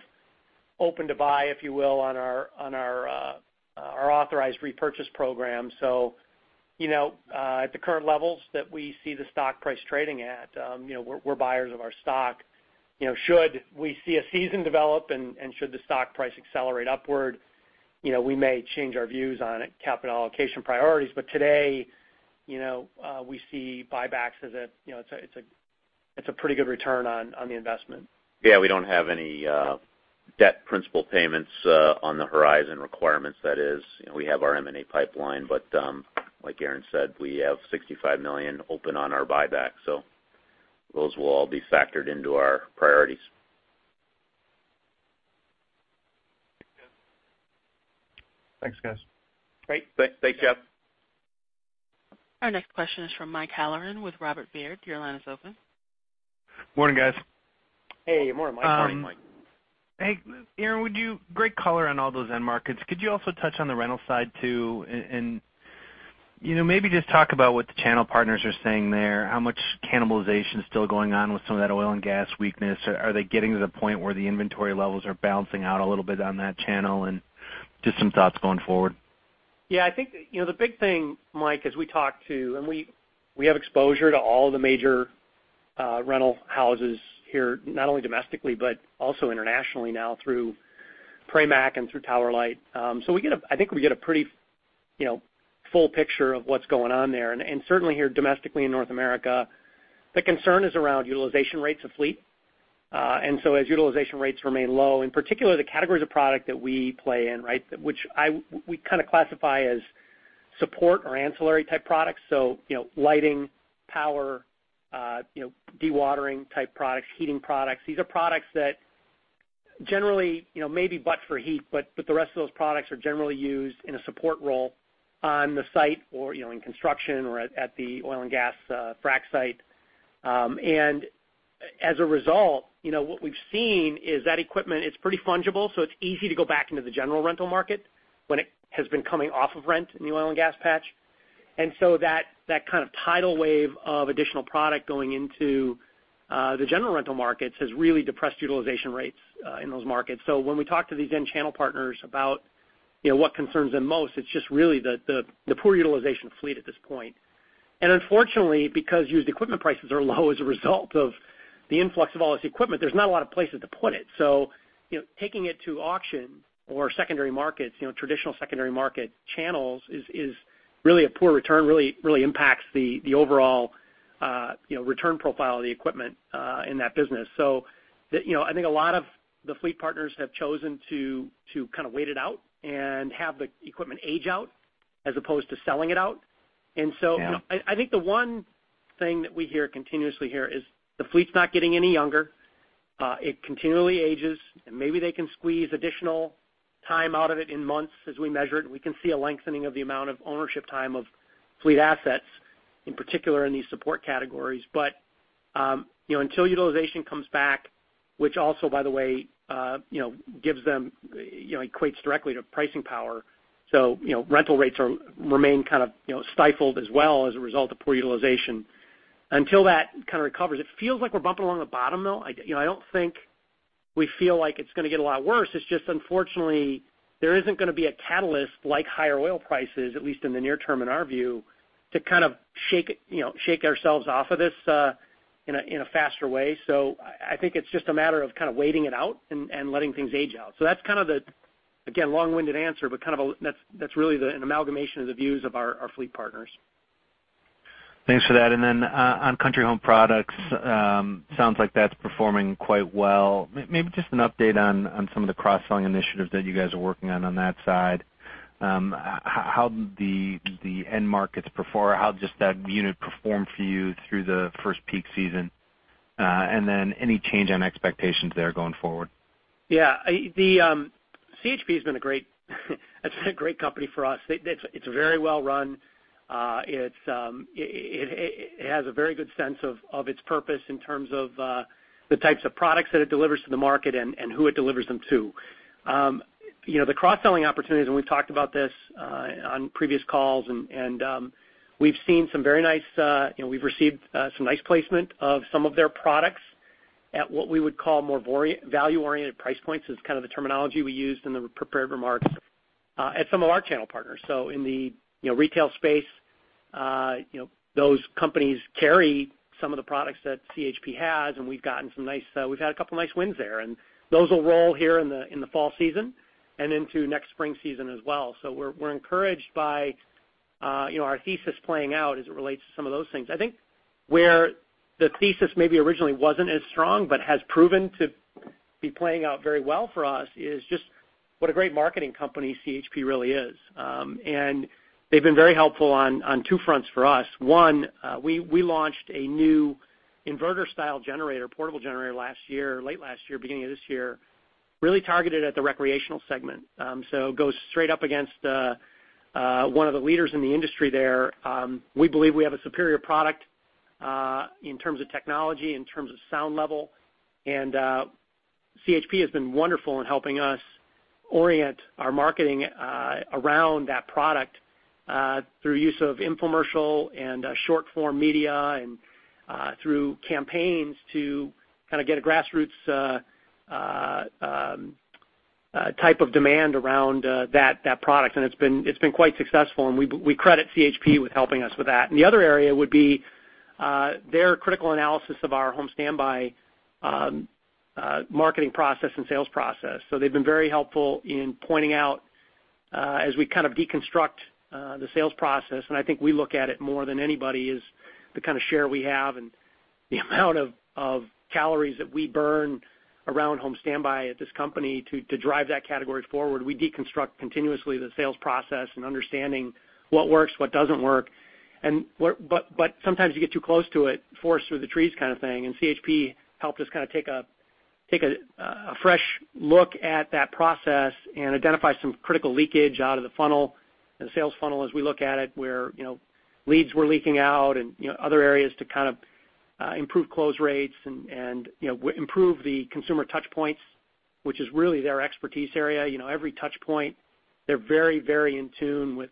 open to buy, if you will, on our authorized repurchase program. At the current levels that we see the stock price trading at, we're buyers of our stock. Should we see a season develop and should the stock price accelerate upward. We may change our views on capital allocation priorities, today, we see buybacks as a pretty good return on the investment. Yeah, we don't have any debt principal payments on the horizon requirements. That is, we have our M&A pipeline, but like Aaron said, we have $65 million open on our buyback, so those will all be factored into our priorities. Thanks, guys. Great. Thanks, Jeff. Our next question is from Mike Halloran with Robert Baird. Your line is open. Morning, guys. Hey, morning, Mike. Morning, Mike. Hey. Aaron, great color on all those end markets. Could you also touch on the rental side too? Maybe just talk about what the channel partners are saying there, how much cannibalization is still going on with some of that oil and gas weakness. Are they getting to the point where the inventory levels are balancing out a little bit on that channel, and just some thoughts going forward? I think, the big thing, Mike, we have exposure to all the major rental houses here, not only domestically, but also internationally now through Pramac and through Tower Light. I think we get a pretty full picture of what's going on there. Certainly here domestically in North America, the concern is around utilization rates of fleet. As utilization rates remain low, in particular, the categories of product that we play in, which we kind of classify as support or ancillary type products. Lighting, power, dewatering type products, heating products. These are products that generally, maybe but for heat, but the rest of those products are generally used in a support role on the site or in construction or at the oil and gas frack site. As a result, what we've seen is that equipment is pretty fungible, it's easy to go back into the general rental market when it has been coming off of rent in the oil and gas patch. That kind of tidal wave of additional product going into the general rental markets has really depressed utilization rates in those markets. When we talk to these end channel partners about what concerns them most, it's just really the poor utilization fleet at this point. Unfortunately, because used equipment prices are low as a result of the influx of all this equipment, there's not a lot of places to put it. Taking it to auction or secondary markets, traditional secondary market channels is really a poor return. Really impacts the overall return profile of the equipment in that business. I think a lot of the fleet partners have chosen to kind of wait it out and have the equipment age out as opposed to selling it out. Yeah. I think the one thing that we continuously hear is the fleet's not getting any younger. It continually ages, maybe they can squeeze additional time out of it in months as we measure it. We can see a lengthening of the amount of ownership time of fleet assets, in particular in these support categories. Until utilization comes back, which also, by the way, equates directly to pricing power. Rental rates remain kind of stifled as well as a result of poor utilization. Until that kind of recovers, it feels like we're bumping along the bottom, though. I don't think we feel like it's going to get a lot worse. It's just unfortunately, there isn't going to be a catalyst like higher oil prices, at least in the near term, in our view, to kind of shake ourselves off of this in a faster way. I think it's just a matter of kind of waiting it out and letting things age out. That's kind of the, again, long-winded answer, but that's really an amalgamation of the views of our fleet partners. Thanks for that. On Country Home Products, sounds like that's performing quite well. Maybe just an update on some of the cross-selling initiatives that you guys are working on that side. How the end markets perform, how just that unit performed for you through the first peak season. Any change on expectations there going forward? Yeah. CHP has been a great company for us. It's very well run. It has a very good sense of its purpose in terms of the types of products that it delivers to the market and who it delivers them to. The cross-selling opportunities, and we've talked about this on previous calls, and we've received some nice placement of some of their products at what we would call more value-oriented price points, is kind of the terminology we used in the prepared remarks, at some of our channel partners. In the retail space, those companies carry some of the products that CHP has, and we've had a couple nice wins there. Those will roll here in the fall season and into next spring season as well. We're encouraged by our thesis playing out as it relates to some of those things. I think where the thesis maybe originally wasn't as strong but has proven to be playing out very well for us is just what a great marketing company CHP really is. They've been very helpful on two fronts for us. One, we launched a new inverter style generator, portable generator late last year, beginning of this year, really targeted at the recreational segment. It goes straight up against one of the leaders in the industry there. We believe we have a superior product, in terms of technology, in terms of sound level. CHP has been wonderful in helping us orient our marketing around that product, through use of infomercial and short-form media and through campaigns to kind of get a grassroots type of demand around that product. It's been quite successful, and we credit CHP with helping us with that. The other area would be their critical analysis of our home standby marketing process and sales process. They've been very helpful in pointing out as we kind of deconstruct the sales process, and I think we look at it more than anybody is the kind of share we have and the amount of calories that we burn around home standby at this company to drive that category forward. We deconstruct continuously the sales process and understanding what works, what doesn't work. Sometimes you get too close to it, forest through the trees kind of thing. CHP helped us take a fresh look at that process and identify some critical leakage out of the funnel and the sales funnel as we look at it, where leads were leaking out and other areas to kind of improve close rates and improve the consumer touchpoints, which is really their expertise area. Every touchpoint, they're very in tune with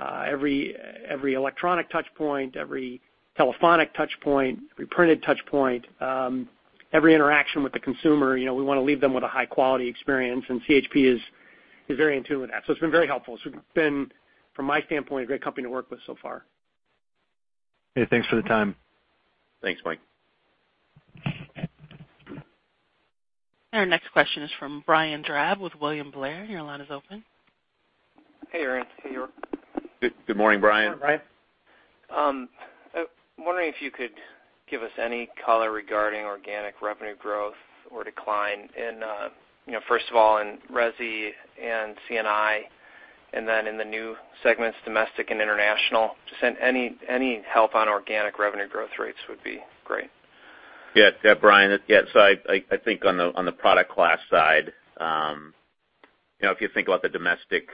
every electronic touchpoint, every telephonic touchpoint, every printed touchpoint. Every interaction with the consumer, we want to leave them with a high-quality experience, and CHP is very in tune with that. It's been very helpful. It's been, from my standpoint, a great company to work with so far. Hey, thanks for the time. Thanks, Mike. Our next question is from Brian Drab with William Blair. Your line is open. Hey, Aaron. Hey, York. Good morning, Brian. Good morning, Brian. I'm wondering if you could give us any color regarding organic revenue growth or decline first of all in resi and C&I, and then in the new segments, domestic and international. Just any help on organic revenue growth rates would be great. Brian, I think on the product class side, if you think about the domestic,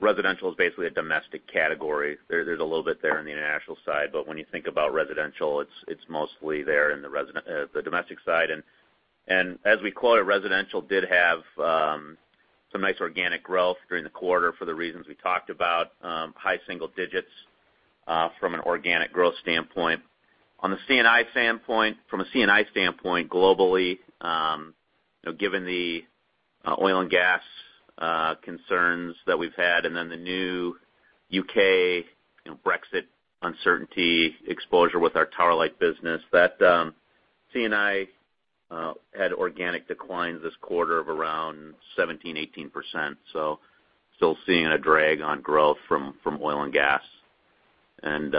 residential is basically a domestic category. There's a little bit there on the international side, but when you think about residential, it's mostly there in the domestic side. As we call it, residential did have some nice organic growth during the quarter for the reasons we talked about, high single digits from an organic growth standpoint. From a C&I standpoint globally, given the oil and gas concerns that we've had, and then the new U.K. Brexit uncertainty exposure with our Tower Light business, that C&I had organic declines this quarter of around 17%, 18%. Still seeing a drag on growth from oil and gas and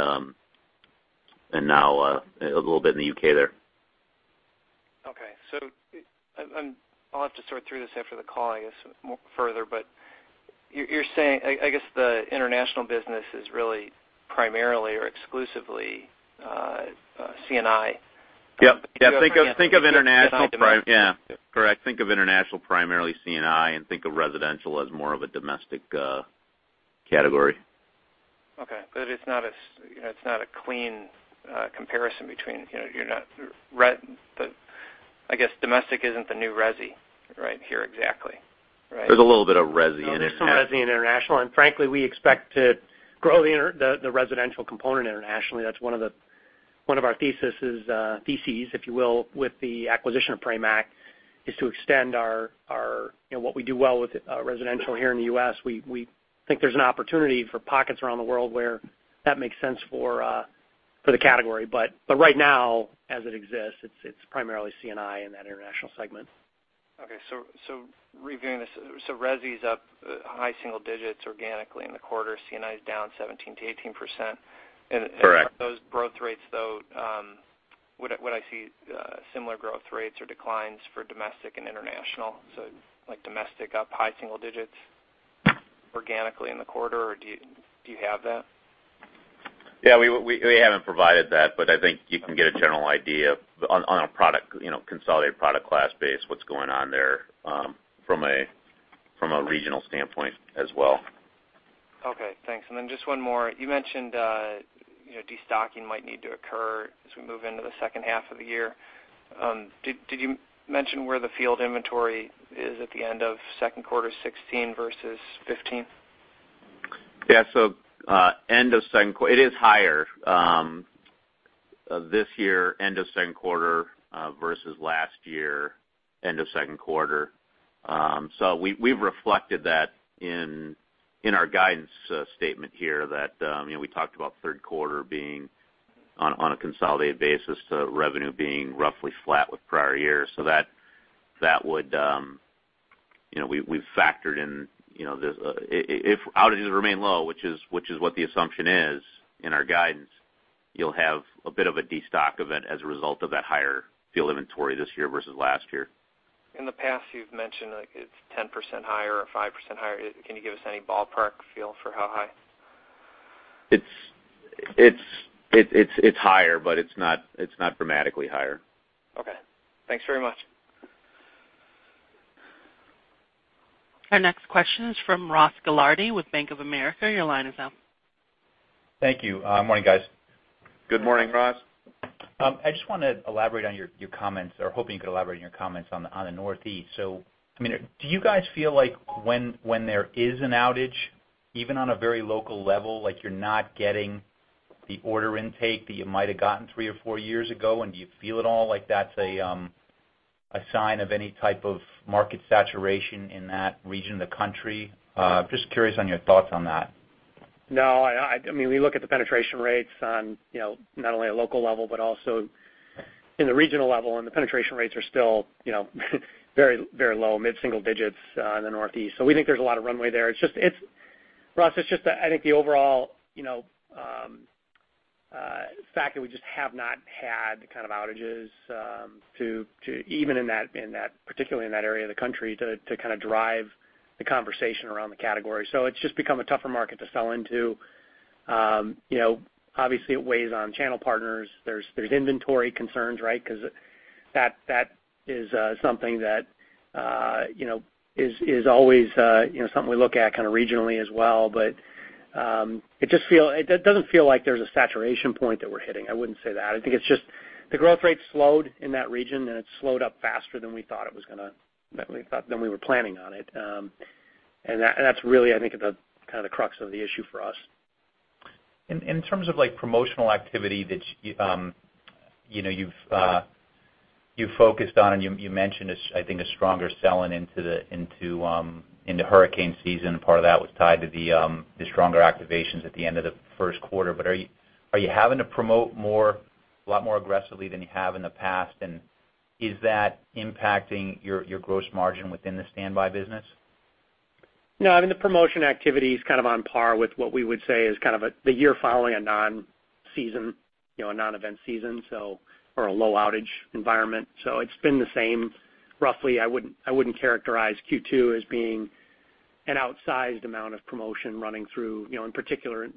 now a little bit in the U.K. there. Okay. I'll have to sort through this after the call, I guess, further, you're saying, I guess the international business is really primarily or exclusively C&I. Correct. Think of international primarily C&I, think of residential as more of a domestic category. Okay. I guess domestic isn't the new resi right here exactly, right? There's a little bit of resi in it. There's some resi in international, and frankly, we expect to grow the residential component internationally. That's one of our theses, if you will, with the acquisition of Pramac is to extend what we do well with residential here in the U.S. We think there's an opportunity for pockets around the world where that makes sense for the category. Right now, as it exists, it's primarily C&I in that international segment. Okay. Reviewing this, resi's up high single digits organically in the quarter. C&I is down 17%-18%. Correct. Those growth rates, though, would I see similar growth rates or declines for domestic and international? Domestic up high single digits organically in the quarter, or do you have that? Yeah, we haven't provided that, but I think you can get a general idea on a consolidated product class base, what's going on there from a regional standpoint as well. Okay, thanks. Then just one more. You mentioned de-stocking might need to occur as we move into the second half of the year. Did you mention where the field inventory is at the end of second quarter 2016 versus 2015? Yeah. It is higher this year, end of second quarter versus last year end of second quarter. We've reflected that in our guidance statement here that we talked about third quarter being on a consolidated basis to revenue being roughly flat with prior years. We've factored in if outages remain low, which is what the assumption is in our guidance, you'll have a bit of a de-stock event as a result of that higher field inventory this year versus last year. In the past, you've mentioned like it's 10% higher or 5% higher. Can you give us any ballpark feel for how high? It's higher, but it's not dramatically higher. Okay. Thanks very much. Our next question is from Ross Gilardi with Bank of America. Your line is now open. Thank you. Morning, guys. Good morning, Ross. I just want to elaborate on your comments or hoping you could elaborate on your comments on the Northeast. Do you guys feel like when there is an outage, even on a very local level, like you're not getting the order intake that you might have gotten three or four years ago? Do you feel at all like that's a sign of any type of market saturation in that region of the country? Just curious on your thoughts on that. No, we look at the penetration rates on, not only a local level, but also in the regional level, and the penetration rates are still very low, mid-single digits in the Northeast. We think there's a lot of runway there. Ross, it's just, I think the overall fact that we just have not had the kind of outages, even particularly in that area of the country, to drive the conversation around the category. It's just become a tougher market to sell into. Obviously, it weighs on channel partners. There's inventory concerns, because that is something that is always something we look at regionally as well. It doesn't feel like there's a saturation point that we're hitting. I wouldn't say that. I think it's just the growth rate slowed in that region, and it slowed up faster than we were planning on it. That's really, I think, the crux of the issue for us. In terms of promotional activity that you've focused on, you mentioned, I think, a stronger sell-in into hurricane season, part of that was tied to the stronger activations at the end of the first quarter. Are you having to promote a lot more aggressively than you have in the past? Is that impacting your gross margin within the standby business? No, the promotion activity is on par with what we would say is the year following a non-event season, or a low outage environment. It's been the same, roughly. I wouldn't characterize Q2 as being an outsized amount of promotion running through, in particular,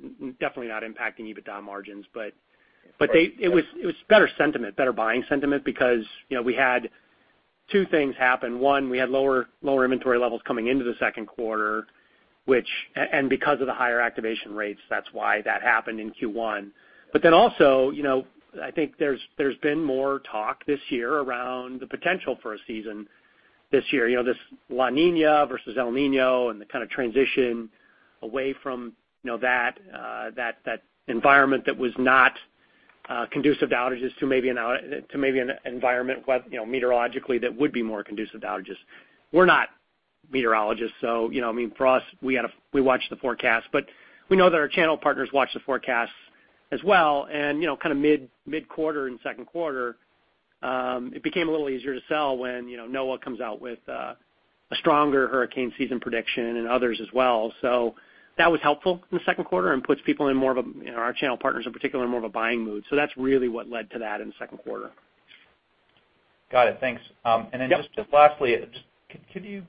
definitely not impacting EBITDA margins. It was better buying sentiment because we had two things happen. One, we had lower inventory levels coming into the second quarter, because of the higher activation rates, that's why that happened in Q1. Also, I think there's been more talk this year around the potential for a season this year. This La Niña versus El Niño, and the kind of transition away from that environment that was not conducive to outages to maybe an environment, meteorologically, that would be more conducive to outages. We're not meteorologists, for us, we watch the forecast. We know that our channel partners watch the forecasts as well, and mid-quarter in second quarter, it became a little easier to sell when NOAA comes out with a stronger hurricane season prediction and others as well. That was helpful in the second quarter and puts our channel partners in particular, in more of a buying mood. That's really what led to that in the second quarter. Got it. Thanks. Yep. Just lastly, could you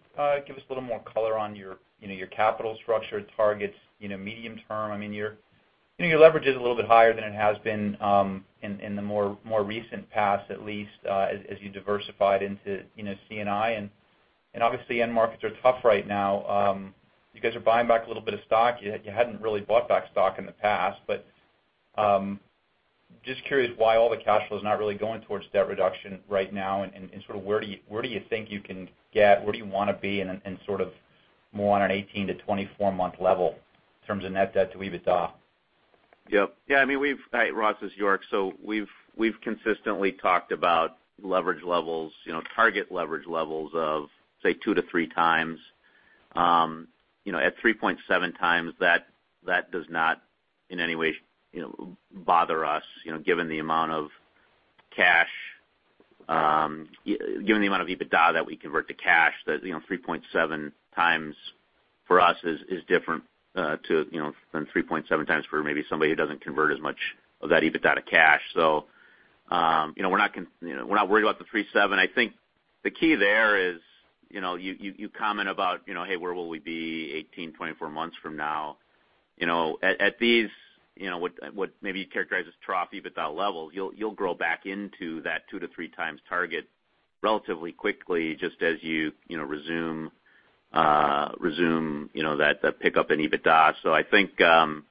give us a little more color on your capital structure targets medium term? Your leverage is a little bit higher than it has been in the more recent past, at least as you diversified into C&I. Obviously, end markets are tough right now. You guys are buying back a little bit of stock. You hadn't really bought back stock in the past, but just curious why all the cash flow is not really going towards debt reduction right now, and where do you think you can get, where do you want to be in more on an 18- to 24-month level in terms of net debt to EBITDA? Yep. Ross, this is York. We've consistently talked about target leverage levels of, say, two to three times. At 3.7 times, that does not in any way bother us, given the amount of EBITDA that we convert to cash. 3.7 times for us is different than 3.7 times for maybe somebody who doesn't convert as much of that EBITDA to cash. We're not worried about the 3.7. I think the key there is, you comment about, "Hey, where will we be 18, 24 months from now?" At these, what maybe you characterize as trough EBITDA levels, you'll grow back into that two to three times target relatively quickly just as you resume that pickup in EBITDA.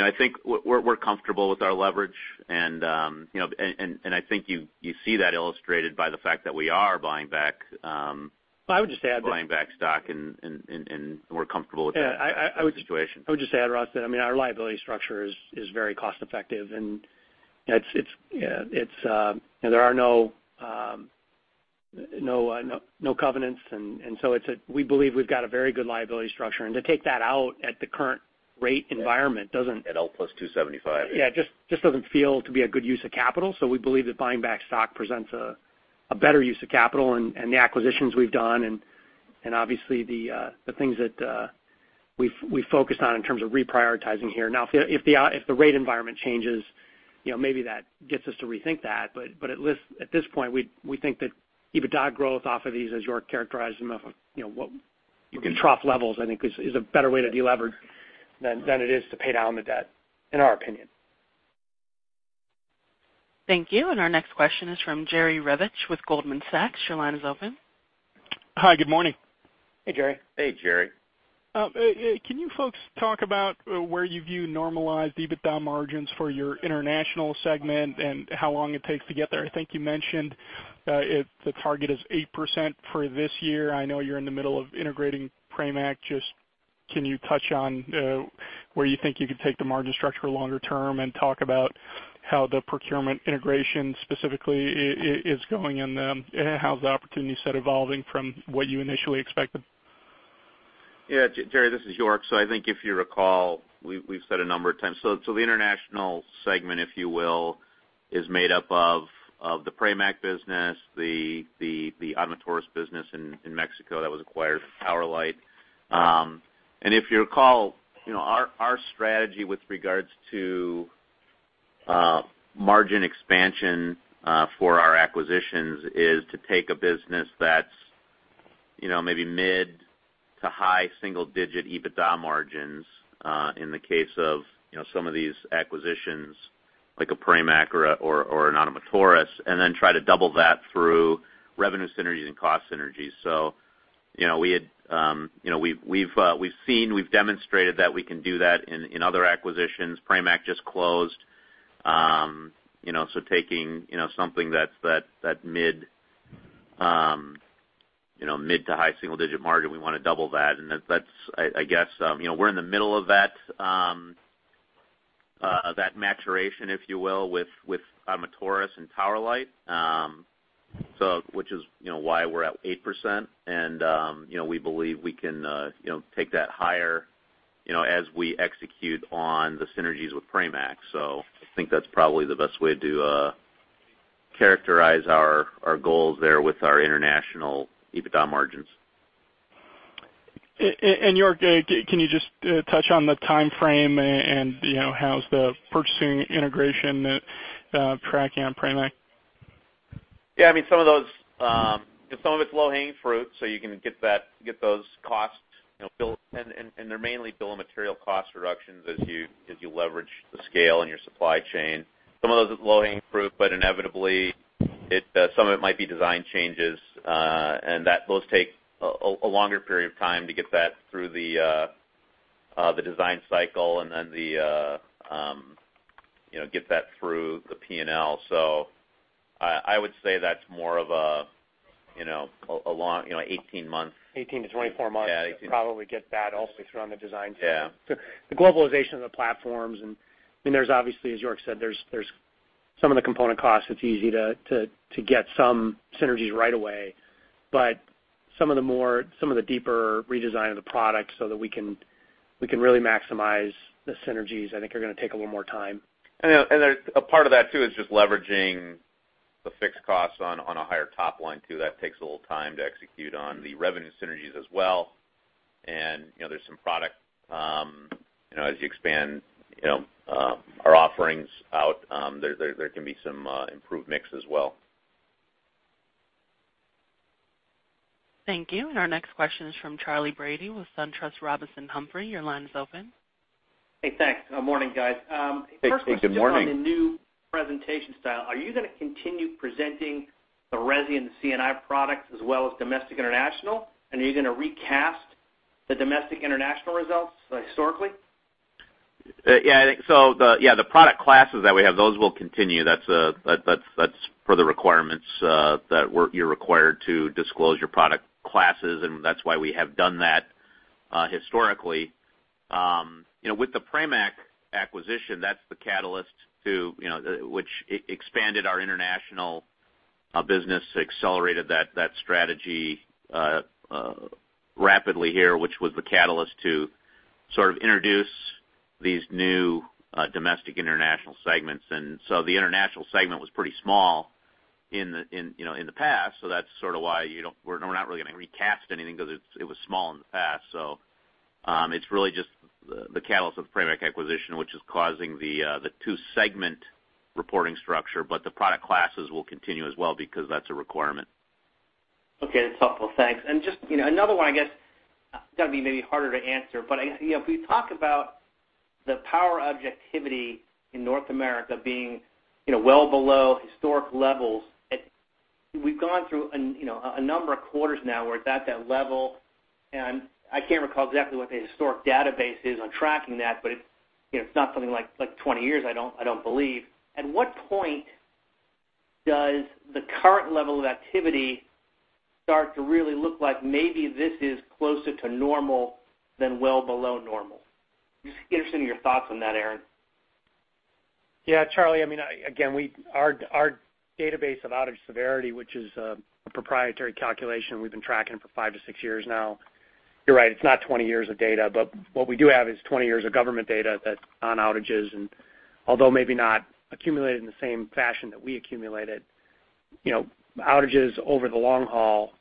I think we're comfortable with our leverage, and I think you see that illustrated by the fact that we are buying back... I would just add that... Buying back stock, and we're comfortable with the situation. I would just add, Ross, that our liability structure is very cost effective, and there are no covenants, and so we believe we've got a very good liability structure. To take that out at the current rate environment At L+275. Yeah, just doesn't feel to be a good use of capital. We believe that buying back stock presents a better use of capital, and the acquisitions we've done and obviously the things that we focused on in terms of reprioritizing here. Now, if the rate environment changes, maybe that gets us to rethink that. At this point, we think that EBITDA growth off of these, as York characterized them, what you call trough levels, I think is a better way to de-lever than it is to pay down the debt, in our opinion. Thank you. Our next question is from Jerry Revich with Goldman Sachs. Your line is open. Hi, good morning. Hey, Jerry. Hey, Jerry. Can you folks talk about where you view normalized EBITDA margins for your international segment and how long it takes to get there? I think you mentioned the target is 8% for this year. I know you're in the middle of integrating Pramac. Can you touch on where you think you could take the margin structure longer term and talk about how the procurement integration specifically is going and then how's the opportunity set evolving from what you initially expected? Yeah, Jerry, this is York. I think if you recall, we've said a number of times. The international segment, if you will, is made up of the Pramac business, the Ottomotores business in Mexico that was acquired, Tower Light. If you recall, our strategy with regards to margin expansion for our acquisitions is to take a business that's maybe mid to high single-digit EBITDA margins, in the case of some of these acquisitions like a Pramac or an Ottomotores, and then try to double that through revenue synergies and cost synergies. We've seen, we've demonstrated that we can do that in other acquisitions. Pramac just closed, so taking something that's mid to high single-digit margin, we want to double that. That's, I guess, we're in the middle of that maturation, if you will, with Ottomotores and Tower Light, which is why we're at 8%. We believe we can take that higher as we execute on the synergies with Pramac. I think that's probably the best way to characterize our goals there with our international EBITDA margins. York, can you just touch on the timeframe and how's the purchasing integration tracking on Pramac? Yeah, some of it's low-hanging fruit. You can get those costs built, and they're mainly bill of material cost reductions as you leverage the scale in your supply chain. Some of those is low-hanging fruit, but inevitably some of it might be design changes. Those take a longer period of time to get that through the design cycle and then get that through the P&L. I would say that's more of an 18 month- 18-24 months... Yeah... To probably get that also through on the design side. Yeah. The globalization of the platforms and there's obviously, as York said, there's some of the component costs, it's easy to get some synergies right away. Some of the deeper redesign of the product so that we can really maximize the synergies, I think, are going to take a little more time. A part of that too is just leveraging the fixed costs on a higher top line, too. That takes a little time to execute on the revenue synergies as well. There's some product as you expand our offerings out, there can be some improved mix as well. Thank you. Our next question is from Charley Brady with SunTrust Robinson Humphrey. Your line is open. Hey, thanks. Morning, guys. Hey, good morning. First question, just on the new presentation style. Are you going to continue presenting the resi and the C&I products as well as domestic-international? Are you going to recast the domestic-international results historically? Yeah. The product classes that we have, those will continue. That's per the requirements that you're required to disclose your product classes, and that's why we have done that historically. With the Pramac acquisition, that's the catalyst which expanded our international business, accelerated that strategy rapidly here, which was the catalyst to sort of introduce these new domestic-international segments. The international segment was pretty small in the past. That's sort of why we're not really going to recast anything because it was small in the past. It's really just the catalyst of the Pramac acquisition, which is causing the two-segment reporting structure, but the product classes will continue as well because that's a requirement. Okay. That's helpful. Thanks. Just another one, I guess, that'd be maybe harder to answer, but if we talk about the power outage activity in North America being well below historic levels, we've gone through a number of quarters now. We're at that level, and I can't recall exactly what the historic database is on tracking that, but it's not something like 20 years, I don't believe. At what point does the current level of activity start to really look like maybe this is closer to normal than well below normal? Just interested in your thoughts on that, Aaron. Yeah. Charley, again, our database of outage severity, which is a proprietary calculation we've been tracking for five to six years now. You're right, it's not 20 years of data, but what we do have is 20 years of government data that's on outages. Although maybe not accumulated in the same fashion that we accumulated, outages over the long haul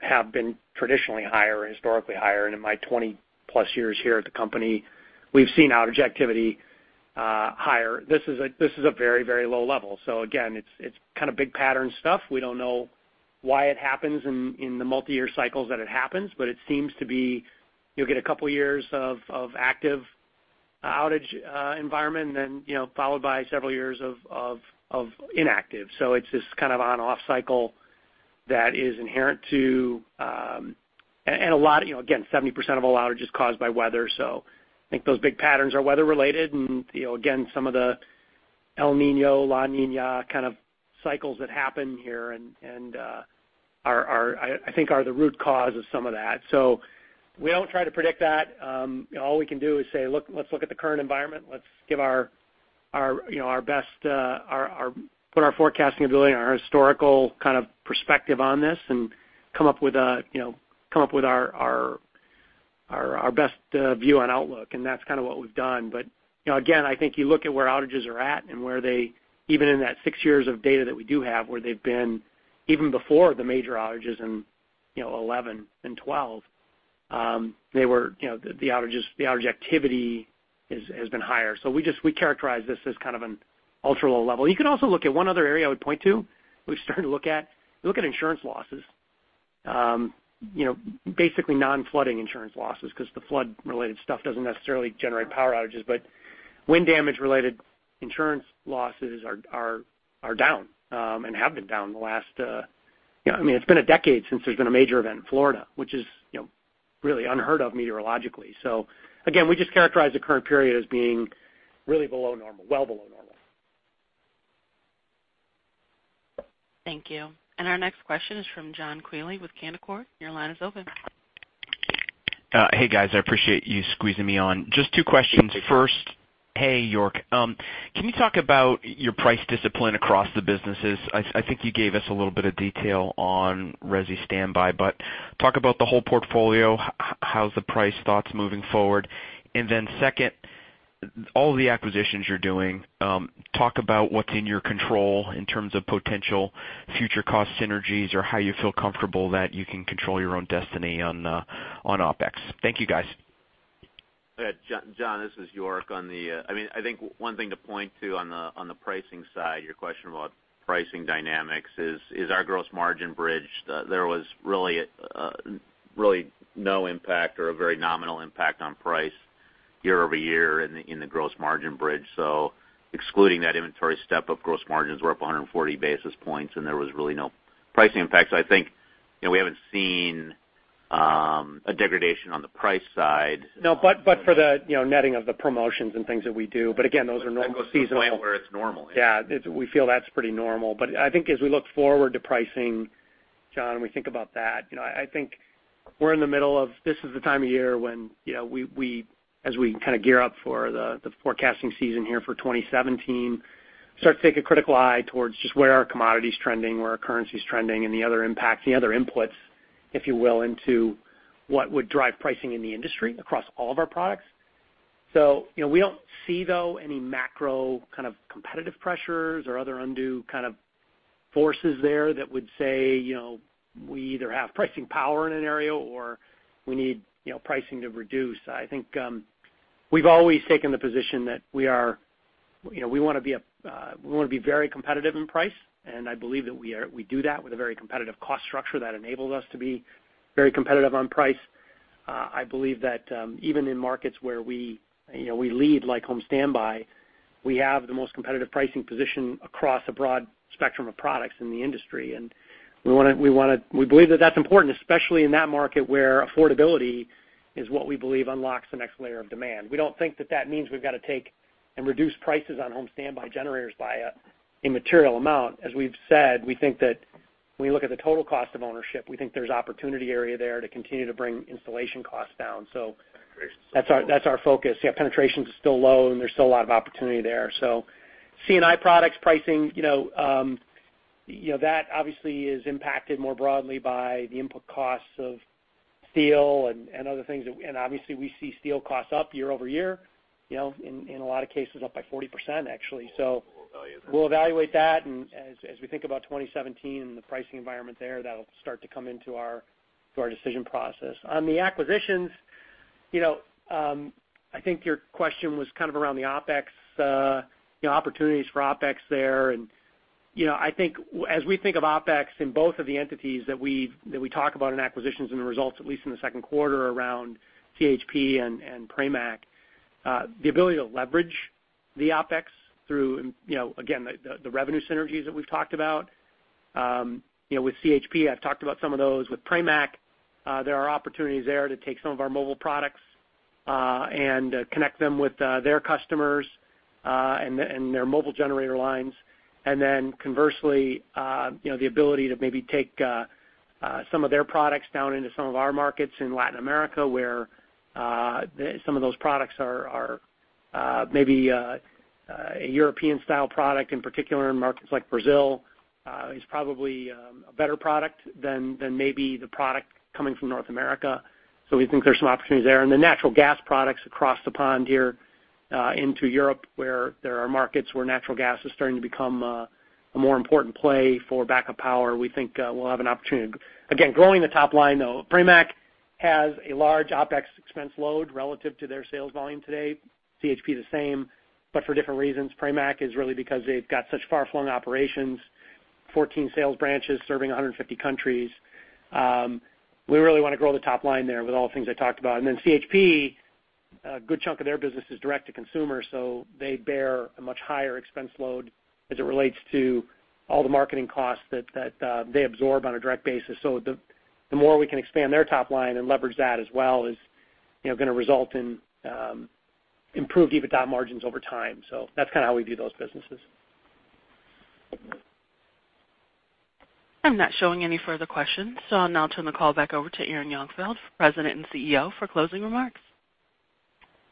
have been traditionally higher, historically higher. In my 20+ years here at the company, we've seen outage activity higher. This is a very, very low level. Again, it's kind of big pattern stuff. We don't know why it happens in the multi-year cycles that it happens, but it seems to be you'll get a couple of years of active outage environment, and then followed by several years of inactive. It's this kind of on/off cycle that is inherent to, again, 70% of all outages is caused by weather. I think those big patterns are weather related. Again, some of the El Niño, La Niña kind of cycles that happen here and I think are the root cause of some of that. We don't try to predict that. All we can do is say, let's look at the current environment. Let's put our forecasting ability and our historical kind of perspective on this and come up with our best view on outlook. That's kind of what we've done. Again, I think you look at where outages are at and even in that six years of data that we do have, where they've been, even before the major outages in 2011 and 2012, the outage activity has been higher. We characterize this as kind of an ultra low level. You could also look at one other area I would point to, we've started to look at insurance losses. Basically non-flooding insurance losses, because the flood-related stuff doesn't necessarily generate power outages, but wind damage related insurance losses are down, and have been down. It's been a decade since there's been a major event in Florida, which is really unheard of meteorologically. Again, we just characterize the current period as being really below normal, well below normal. Thank you. Our next question is from John Quealy with Canaccord. Your line is open. Hey guys, I appreciate you squeezing me on. Just two questions. First... Hey John. Hey, York. Can you talk about your price discipline across the businesses? I think you gave us a little bit of detail on resi standby, but talk about the whole portfolio. How's the price thoughts moving forward? Second, all of the acquisitions you're doing, talk about what's in your control in terms of potential future cost synergies or how you feel comfortable that you can control your own destiny on OpEx. Thank you guys. John, this is York. I think one thing to point to on the pricing side, your question about pricing dynamics is our gross margin bridge. There was really no impact or a very nominal impact on price year-over-year in the gross margin bridge. Excluding that inventory step up gross margins were up 140 basis points. There was really no pricing impact. I think we haven't seen a degradation on the price side. No, but for the netting of the promotions and things that we do. Again, those are normal. That goes to the point where it's normal. Yeah, we feel that's pretty normal. I think as we look forward to pricing, John, when we think about that, I think we're in the middle of, this is the time of year as we kind of gear up for the forecasting season here for 2017, start to take a critical eye towards just where our commodity's trending, where our currency's trending, and the other impacts, the other inputs, if you will, into what would drive pricing in the industry across all of our products. We don't see, though, any macro kind of competitive pressures or other undue kind of forces there that would say we either have pricing power in an area or we need pricing to reduce. I think we've always taken the position that we want to be very competitive in price, and I believe that we do that with a very competitive cost structure that enables us to be very competitive on price. I believe that even in markets where we lead, like home standby, we have the most competitive pricing position across a broad spectrum of products in the industry. We believe that's important, especially in that market where affordability is what we believe unlocks the next layer of demand. We don't think that means we've got to take and reduce prices on home standby generators by a immaterial amount. As we've said, we think that when you look at the total cost of ownership, we think there's opportunity area there to continue to bring installation costs down. That's our focus. Penetration's still low, and there's still a lot of opportunity there. C&I products pricing, that obviously is impacted more broadly by the input costs of steel and other things. Obviously we see steel costs up year-over-year, in a lot of cases up by 40% actually. We'll evaluate that. We'll evaluate that, as we think about 2017 and the pricing environment there, that'll start to come into our decision process. On the acquisitions, I think your question was kind of around the OpEx, opportunities for OpEx there. I think as we think of OpEx in both of the entities that we talk about in acquisitions and the results, at least in the second quarter around CHP and Pramac, the ability to leverage the OpEx through, again, the revenue synergies that we've talked about. With CHP, I've talked about some of those. With Pramac, there are opportunities there to take some of our mobile products, and connect them with their customers, and their mobile generator lines. Conversely, the ability to maybe take some of their products down into some of our markets in Latin America, where some of those products are maybe a European style product in particular in markets like Brazil, is probably a better product than maybe the product coming from North America. We think there's some opportunities there. The natural gas products across the pond here into Europe, where there are markets where natural gas is starting to become a more important play for backup power. We think we'll have an opportunity. Again, growing the top line though, Pramac has a large OpEx expense load relative to their sales volume today. CHP the same, but for different reasons. Pramac is really because they've got such far-flung operations, 14 sales branches serving 150 countries. We really want to grow the top line there with all the things I talked about. CHP, a good chunk of their business is direct to consumer, so they bear a much higher expense load as it relates to all the marketing costs that they absorb on a direct basis. The more we can expand their top line and leverage that as well is going to result in improved EBITDA margins over time. That's kind of how we view those businesses. I'm not showing any further questions, I'll now turn the call back over to Aaron Jagdfeld, President and CEO, for closing remarks.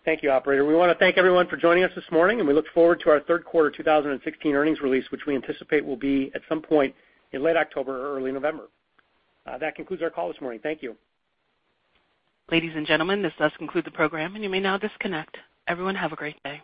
Thank you, Operator. We want to thank everyone for joining us this morning, we look forward to our third quarter 2016 earnings release, which we anticipate will be at some point in late October or early November. That concludes our call this morning. Thank you. Ladies and gentlemen, this does conclude the program, you may now disconnect. Everyone, have a great day.